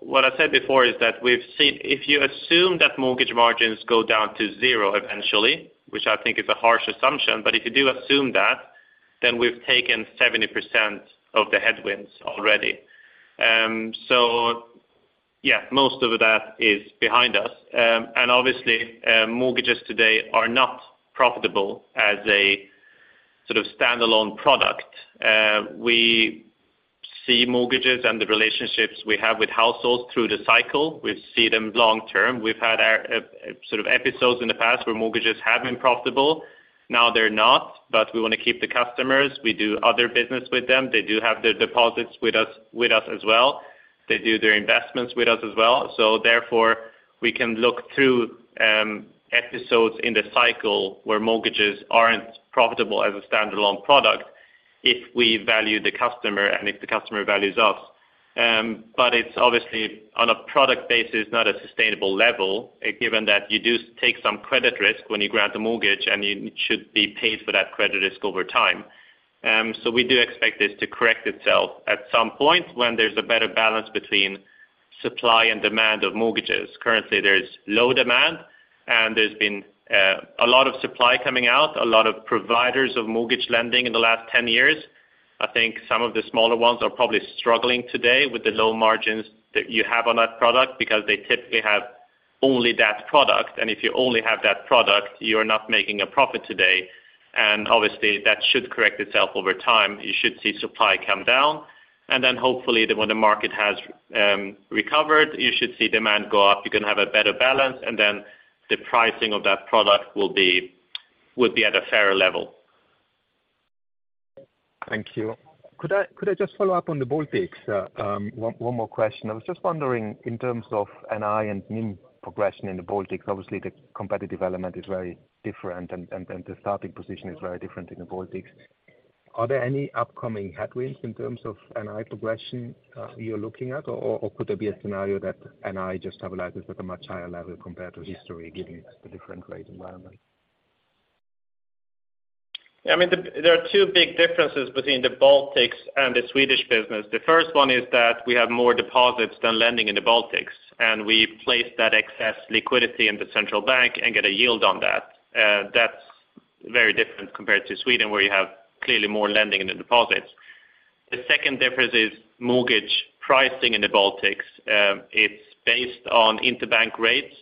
what I said before is that if you assume that mortgage margins go down to zero eventually, which I think is a harsh assumption, but if you do assume that, then we've taken 70% of the headwinds already. Yeah, most of that is behind us. Obviously, mortgages today are not profitable as a sort of standalone product. We see mortgages and the relationships we have with households through the cycle. We see them long term. We've had our sort of episodes in the past where mortgages have been profitable. Now, they're not, but we want to keep the customers. We do other business with them. They do have their deposits with us as well. They do their investments with us as well, therefore, we can look through episodes in the cycle where mortgages aren't profitable as a standalone product if we value the customer and if the customer values us. It's obviously, on a product basis, not a sustainable level, given that you do take some credit risk when you grant a mortgage, and you should be paid for that credit risk over time. We do expect this to correct itself at some point when there's a better balance between supply and demand of mortgages. Currently, there's low demand, and there's been a lot of supply coming out, a lot of providers of mortgage lending in the last 10 years. I think some of the smaller ones are probably struggling today with the low margins that you have on that product because they typically have only that product. If you only have that product, you are not making a profit today, and obviously, that should correct itself over time. You should see supply come down, and then hopefully, when the market has recovered, you should see demand go up. You can have a better balance, and then the pricing of that product will be at a fairer level. Thank you. Could I just follow up on the Baltics? One more question. I was just wondering, in terms of NII and NIM progression in the Baltics, obviously the competitive element is very different and the starting position is very different in the Baltics. Are there any upcoming headwinds in terms of NII progression, you're looking at, or could there be a scenario that NII just stabilizes at a much higher level compared to history, given the different rate environment? I mean, there are two big differences between the Baltics and the Swedish business. The first one is that we have more deposits than lending in the Baltics, and we place that excess liquidity in the central bank and get a yield on that. That's very different compared to Sweden, where you have clearly more lending in the deposits. The second difference is mortgage pricing in the Baltics. It's based on interbank rates,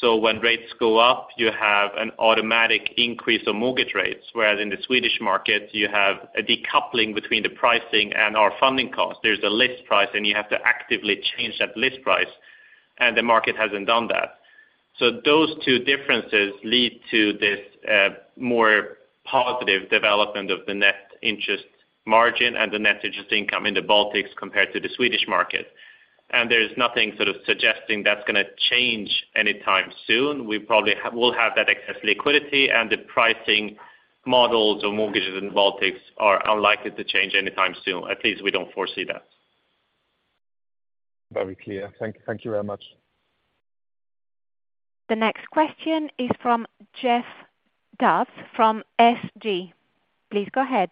so when rates go up, you have an automatic increase of mortgage rates, whereas in the Swedish market, you have a decoupling between the pricing and our funding costs. There's a list price, and you have to actively change that list price, and the market hasn't done that. Those two differences lead to this more positive development of the net interest margin and the net interest income in the Baltics compared to the Swedish market. There's nothing sort of suggesting that's gonna change anytime soon. We'll have that excess liquidity, and the pricing models or mortgages in Baltics are unlikely to change anytime soon. At least we don't foresee that. Very clear. Thank you very much. The next question is from Geoffrey Dawes from SG. Please go ahead.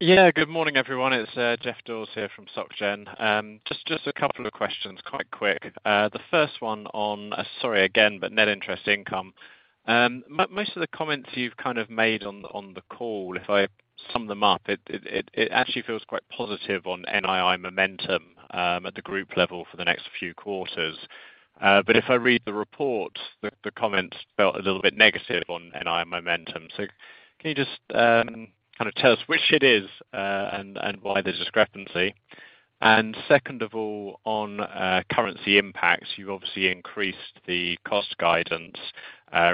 Good morning, everyone. It's Geoffrey Dawes here from SocGen. Just a couple of questions, quite quick. The first one on, sorry again, but net interest income. Most of the comments you've kind of made on the call, if I sum them up, it actually feels quite positive on NII momentum at the group level for the next few quarters. If I read the report, the comments felt a little bit negative on NII momentum. Can you just kind of tell us which it is and why the discrepancy? Second of all, on currency impacts, you've obviously increased the cost guidance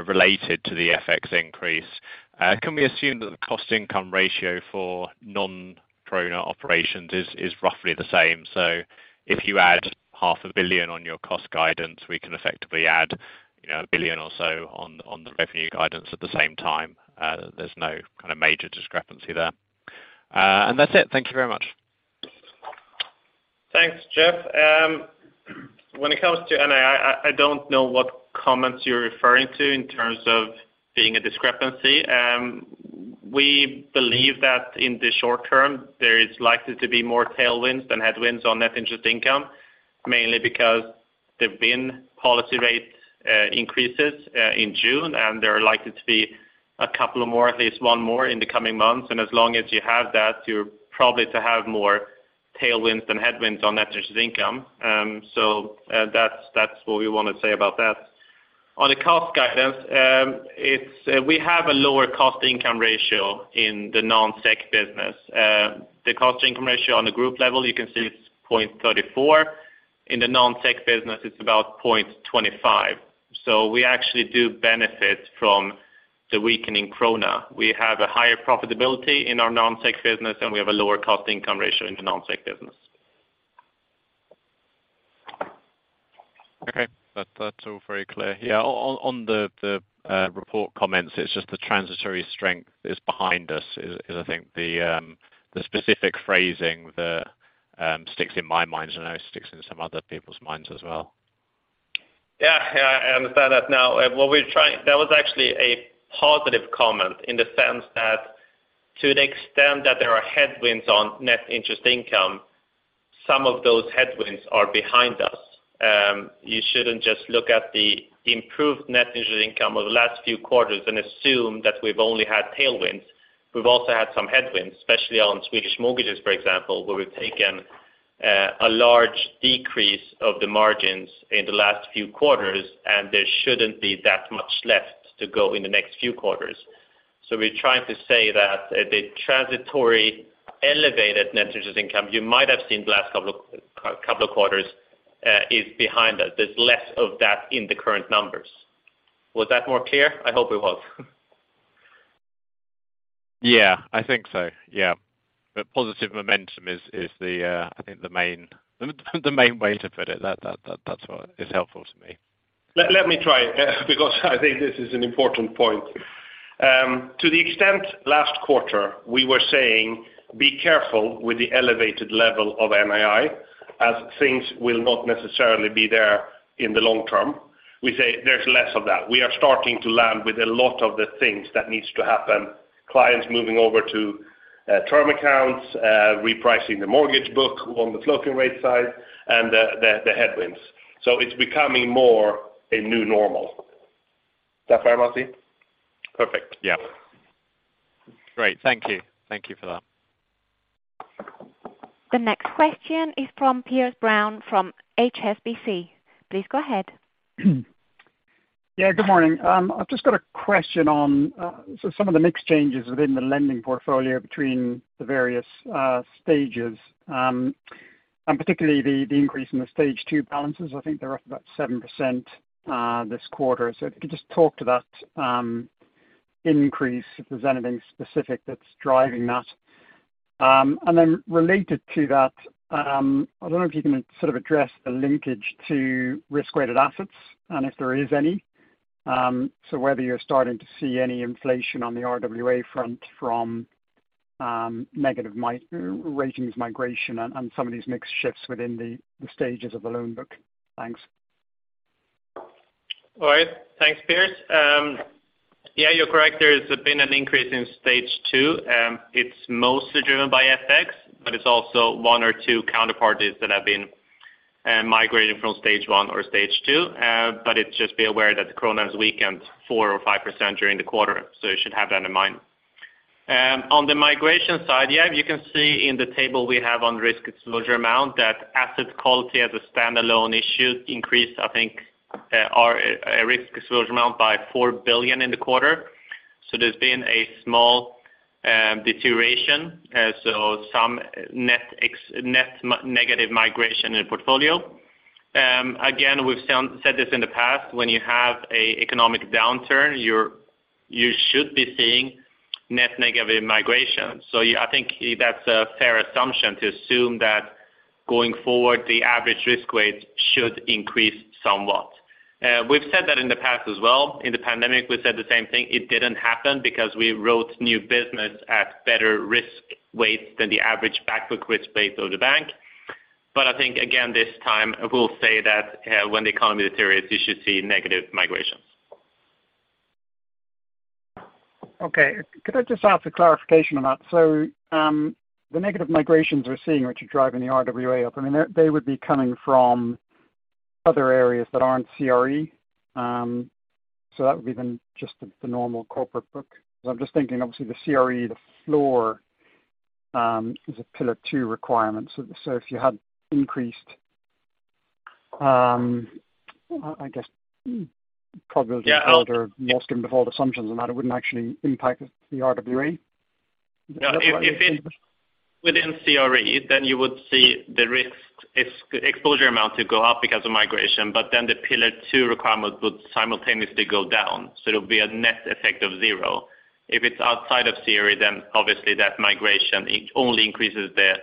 related to the FX increase. Can we assume that the cost income ratio for non-krona operations is roughly the same? If you add SEK half a billion on your cost guidance, we can effectively add, you know, SEK a billion or so on the revenue guidance at the same time. There's no kind of major discrepancy there. And that's it. Thank you very much. Thanks, Jeff. When it comes to NII, I don't know what comments you're referring to in terms of being a discrepancy. We believe that in the short term, there is likely to be more tailwinds than headwinds on net interest income, mainly because there've been policy rates increases in June, and there are likely to be a couple of more, at least one more, in the coming months. As long as you have that, you're probably to have more tailwinds than headwinds on net interest income. That's what we want to say about that. On the cost guidance, we have a lower cost income ratio in the non-SEK business. The cost income ratio on the group level, you can see it's 0.34. In the non-SEK business, it's about 0.25. We actually do benefit from the weakening krona. We have a higher profitability in our non-SEK business, and we have a lower cost income ratio in the non-SEK business. Okay, that's all very clear. Yeah, on the report comments, it's just the transitory strength is behind us, is I think the specific phrasing that sticks in my mind, and I know sticks in some other people's minds as well. Yeah. Yeah, I understand that now. That was actually a positive comment in the sense that to the extent that there are headwinds on net interest income, some of those headwinds are behind us. You shouldn't just look at the improved net interest income over the last few quarters and assume that we've only had tailwinds. We've also had some headwinds, especially on Swedish mortgages, for example, where we've taken a large decrease of the margins in the last few quarters. There shouldn't be that much left to go in the next few quarters. We're trying to say that the transitory elevated net interest income you might have seen the last couple of quarters is behind us. There's less of that in the current numbers. Was that more clear? I hope it was. I think so. Yeah. Positive momentum is the, I think the main way to put it. That's what is helpful to me. Let me try, because I think this is an important point. To the extent last quarter, we were saying, "Be careful with the elevated level of NII, as things will not necessarily be there in the long term," we say there's less of that. We are starting to land with a lot of the things that needs to happen, clients moving over to term accounts, repricing the mortgage book on the floating rate side and the headwinds. It's becoming more a new normal. Is that fair, Masih? Perfect. Yeah. Great. Thank you. Thank you for that. The next question is from Piers Brown from HSBC. Please go ahead. Yeah, good morning. I've just got a question on some of the mixed changes within the lending portfolio between the various stages, and particularly the increase in the stage two balances. I think they're up about 7% this quarter. If you could just talk to that increase, if there's anything specific that's driving that. Related to that, I don't know if you can sort of address the linkage to risk-weighted assets and if there is any. Whether you're starting to see any inflation on the RWA front from negative ratings migration and some of these mixed shifts within the stages of the loan book. Thanks. All right. Thanks, Piers. Yeah, you're correct. There's been an increase in stage two, it's mostly driven by FX, but it's also one or two counterparties that have been migrating from Stage 1 or Stage 2. It's just be aware that the krona has weakened 4%-5% during the quarter, so you should have that in mind. On the migration side, yeah, you can see in the table we have on risk exposure amount, that asset quality as a standalone issue increased, I think, our risk exposure amount by 4 billion in the quarter. There's been a small deterioration, so some net negative migration in portfolio. Again, we've said this in the past, when you have a economic downturn, you should be seeing net negative migration. I think that's a fair assumption, to assume that going forward, the average risk weight should increase somewhat. We've said that in the past as well. In the pandemic, we said the same thing. It didn't happen because we wrote new business at better risk weights than the average backbook risk weight of the bank. I think, again, this time we'll say that, when the economy deteriorates, you should see negative migrations. Okay. Could I just ask a clarification on that? The negative migrations we're seeing, which are driving the RWA up, I mean, they would be coming from other areas that aren't CRE. That would be then just the normal corporate book, because I'm just thinking obviously the CRE, the floor, is a Pillar 2 requirement. If you had increased, I guess. Yeah. The older loss given default assumptions, and that it wouldn't actually impact the RWA. If within CRE, then you would see the risk exposure amount to go up because of migration, but then the pillar two requirements would simultaneously go down, so it would be a net effect of zero. If it's outside of CRE, then obviously that migration only increases the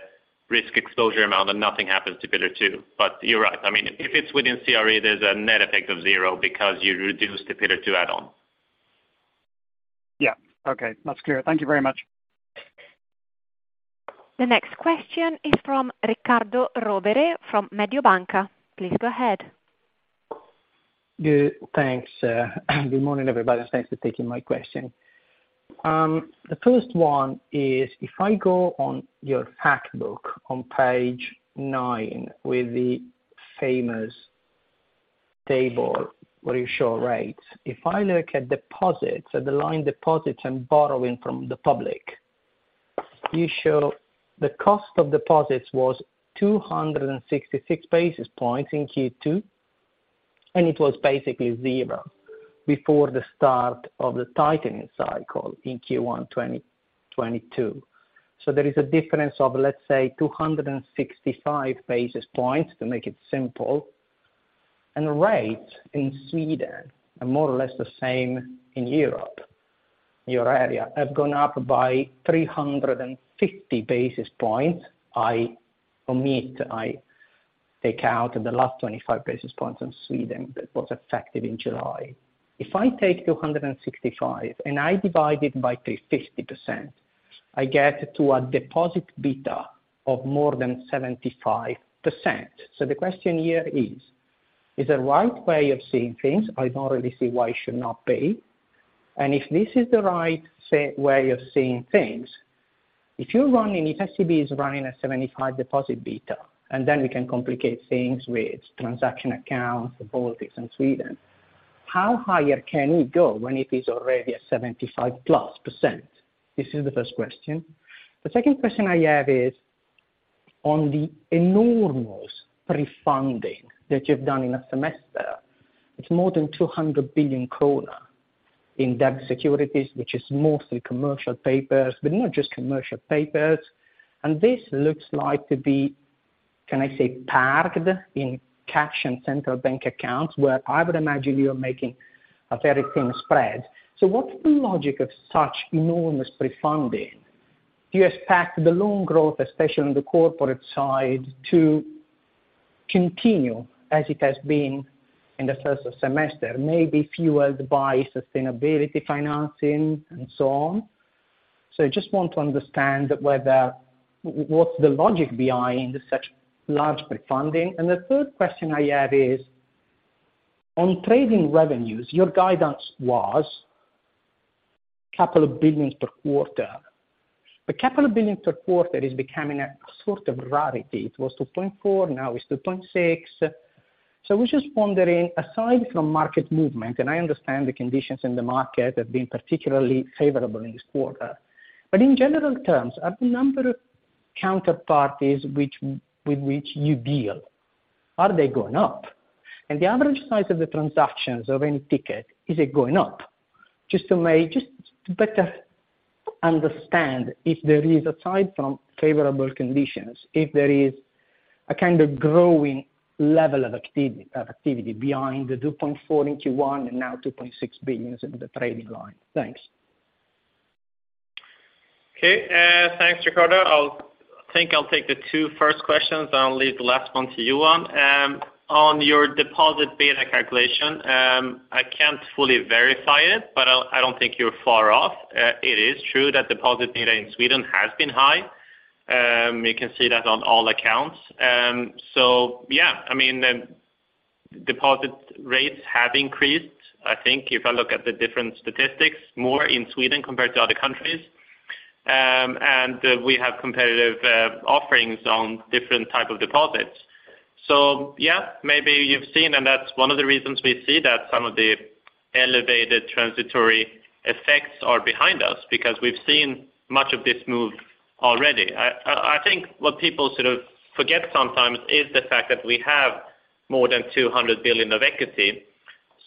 risk exposure amount and nothing happens to pillar two. You're right. I mean, if it's within CRE, there's a net effect of zero because you reduce the pillar two add-on. Yeah. Okay, that's clear. Thank you very much. The next question is from Riccardo Rovere, from Mediobanca. Please go ahead. Good. Thanks, good morning, everybody, and thanks for taking my question. The first one is, if I go on your fact book on page nine, with the famous table where you show rates, if I look at deposits, at the line deposits and borrowing from the public, you show the cost of deposits was 266 basis points in Q2, and it was basically zero before the start of the tightening cycle in Q1 2022. there is a difference of, let's say, 265 basis points, to make it simple, and rates in Sweden are more or less the same in Europe.... your area have gone up by 350 basis points. I take out the last 25 basis points in Sweden that was effective in July. If I take 265, and I divide it by 350%, I get to a deposit beta of more than 75%. The question here is: Is the right way of seeing things? I don't really see why it should not be. If this is the right way of seeing things, if you're running, if SEB is running a 75 deposit beta, and then we can complicate things with transaction accounts, politics in Sweden, how higher can it go when it is already at 75%+. This is the first question. The second question I have is on the enormous pre-funding that you've done in a semester, it's more than 200 billion kronor in debt securities, which is mostly commercial papers, but not just commercial papers. This looks like to be, can I say, parked in cash and central bank accounts, where I would imagine you're making a very thin spread. What's the logic of such enormous pre-funding? Do you expect the loan growth, especially on the corporate side, to continue as it has been in the first semester, maybe fueled by sustainability financing and so on? I just want to understand whether, what's the logic behind such large pre-funding. The third question I have is, on trading revenues, your guidance was couple of billions per quarter. The couple of billion per quarter is becoming a sort of rarity. It was 2.4, now it's 2.6. We're just wondering, aside from market movement, and I understand the conditions in the market have been particularly favorable in this quarter, but in general terms, are the number of counterparties which, with which you deal, are they going up? The average size of the transactions of any ticket, is it going up? Just to make, just to better understand if there is, aside from favorable conditions, if there is a kind of growing level of activity behind the 2.4 billion in Q1 and now 2.6 billion in the trading line. Thanks. Okay, thanks, Riccardo. I think I'll take the two first questions, and I'll leave the last one to Johan. On your deposit beta calculation, I can't fully verify it, but I don't think you're far off. It is true that deposit beta in Sweden has been high. You can see that on all accounts. So yeah, I mean, deposit rates have increased. I think if I look at the different statistics, more in Sweden compared to other countries. We have competitive offerings on different type of deposits. Yeah, maybe you've seen, and that's one of the reasons we see that some of the elevated transitory effects are behind us, because we've seen much of this move already. I think what people sort of forget sometimes is the fact that we have more than 200 billion of equity.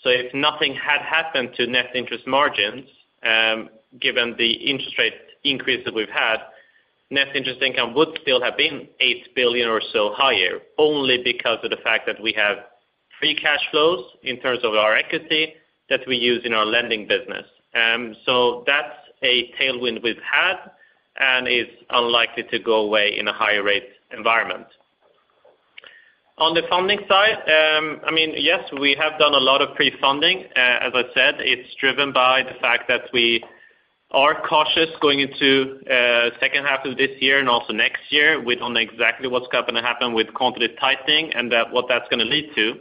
If nothing had happened to net interest margins, given the interest rate increase that we've had, net interest income would still have been 8 billion or so higher, only because of the fact that we have free cash flows in terms of our equity that we use in our lending business. That's a tailwind we've had and is unlikely to go away in a higher rate environment. On the funding side, I mean, yes, we have done a lot of pre-funding. As I said, it's driven by the fact that we are cautious going into second half of this year and also next year. We don't know exactly what's going to happen with quantitative tightening and that, what that's gonna lead to.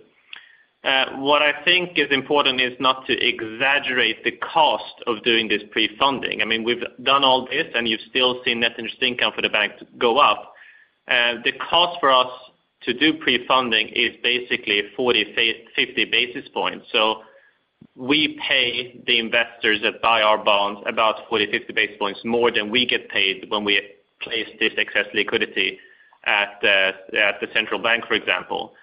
What I think is important is not to exaggerate the cost of doing this pre-funding. I mean, we've done all this, and you've still seen net interest income for the bank go up. The cost for us to do pre-funding is basically 40, 50 basis points. We pay the investors that buy our bonds about 40, 50 basis points more than we get paid when we place this excess liquidity at the central bank, for example.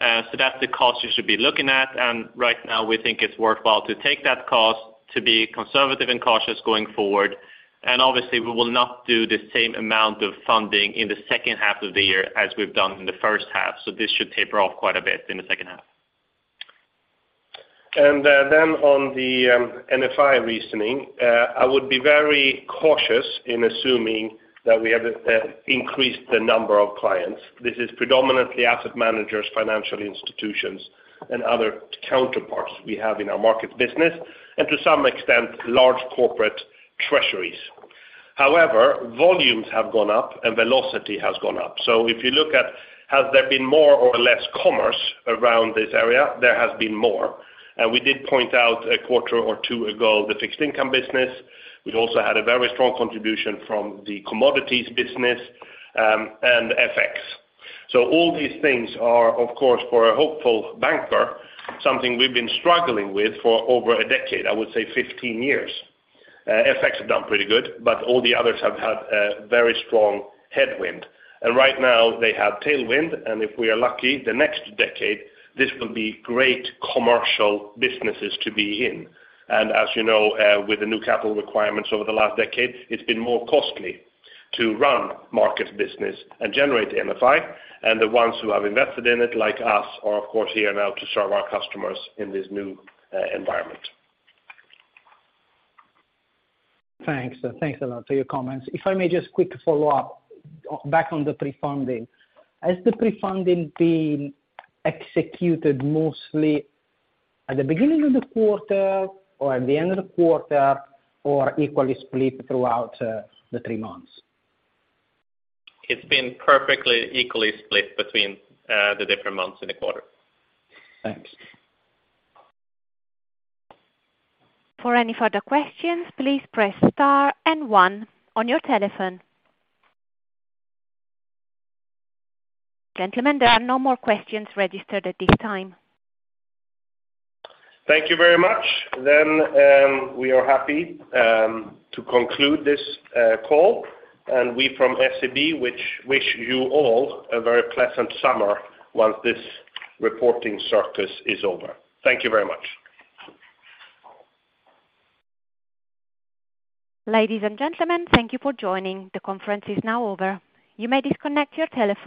That's the cost you should be looking at, and right now we think it's worthwhile to take that cost to be conservative and cautious going forward. Obviously, we will not do the same amount of funding in the second half of the year as we've done in the first half. This should taper off quite a bit in the second half. Then on the NFI reasoning, I would be very cautious in assuming that we have increased the number of clients. This is predominantly asset managers, financial institutions, and other counterparts we have in our markets business, and to some extent, large corporate treasuries. However, volumes have gone up, and velocity has gone up. If you look at has there been more or less commerce around this area? There has been more. We did point out a quarter or two ago, the fixed income business. We also had a very strong contribution from the commodities business, and FX. All these things are, of course, for a hopeful banker, something we've been struggling with for over a decade, I would say 15 years. FX have done pretty good, but all the others have had a very strong headwind. Right now they have tailwind, and if we are lucky, the next decade, this will be great commercial businesses to be in. As you know, with the new capital requirements over the last decade, it's been more costly to run markets business and generate NFI. The ones who have invested in it, like us, are of course, here now to serve our customers in this new environment. Thanks. Thanks a lot for your comments. If I may just quick follow up, back on the pre-funding. Has the pre-funding been executed mostly at the beginning of the quarter or at the end of the quarter, or equally split throughout, the three months? It's been perfectly equally split between the different months in the quarter. Thanks. For any further questions, please press star and one on your telephone. Gentlemen, there are no more questions registered at this time. Thank you very much. We are happy to conclude this call, and we from SEB wish you all a very pleasant summer once this reporting circus is over. Thank you very much. Ladies and gentlemen, thank you for joining. The conference is now over. You may disconnect your telephones.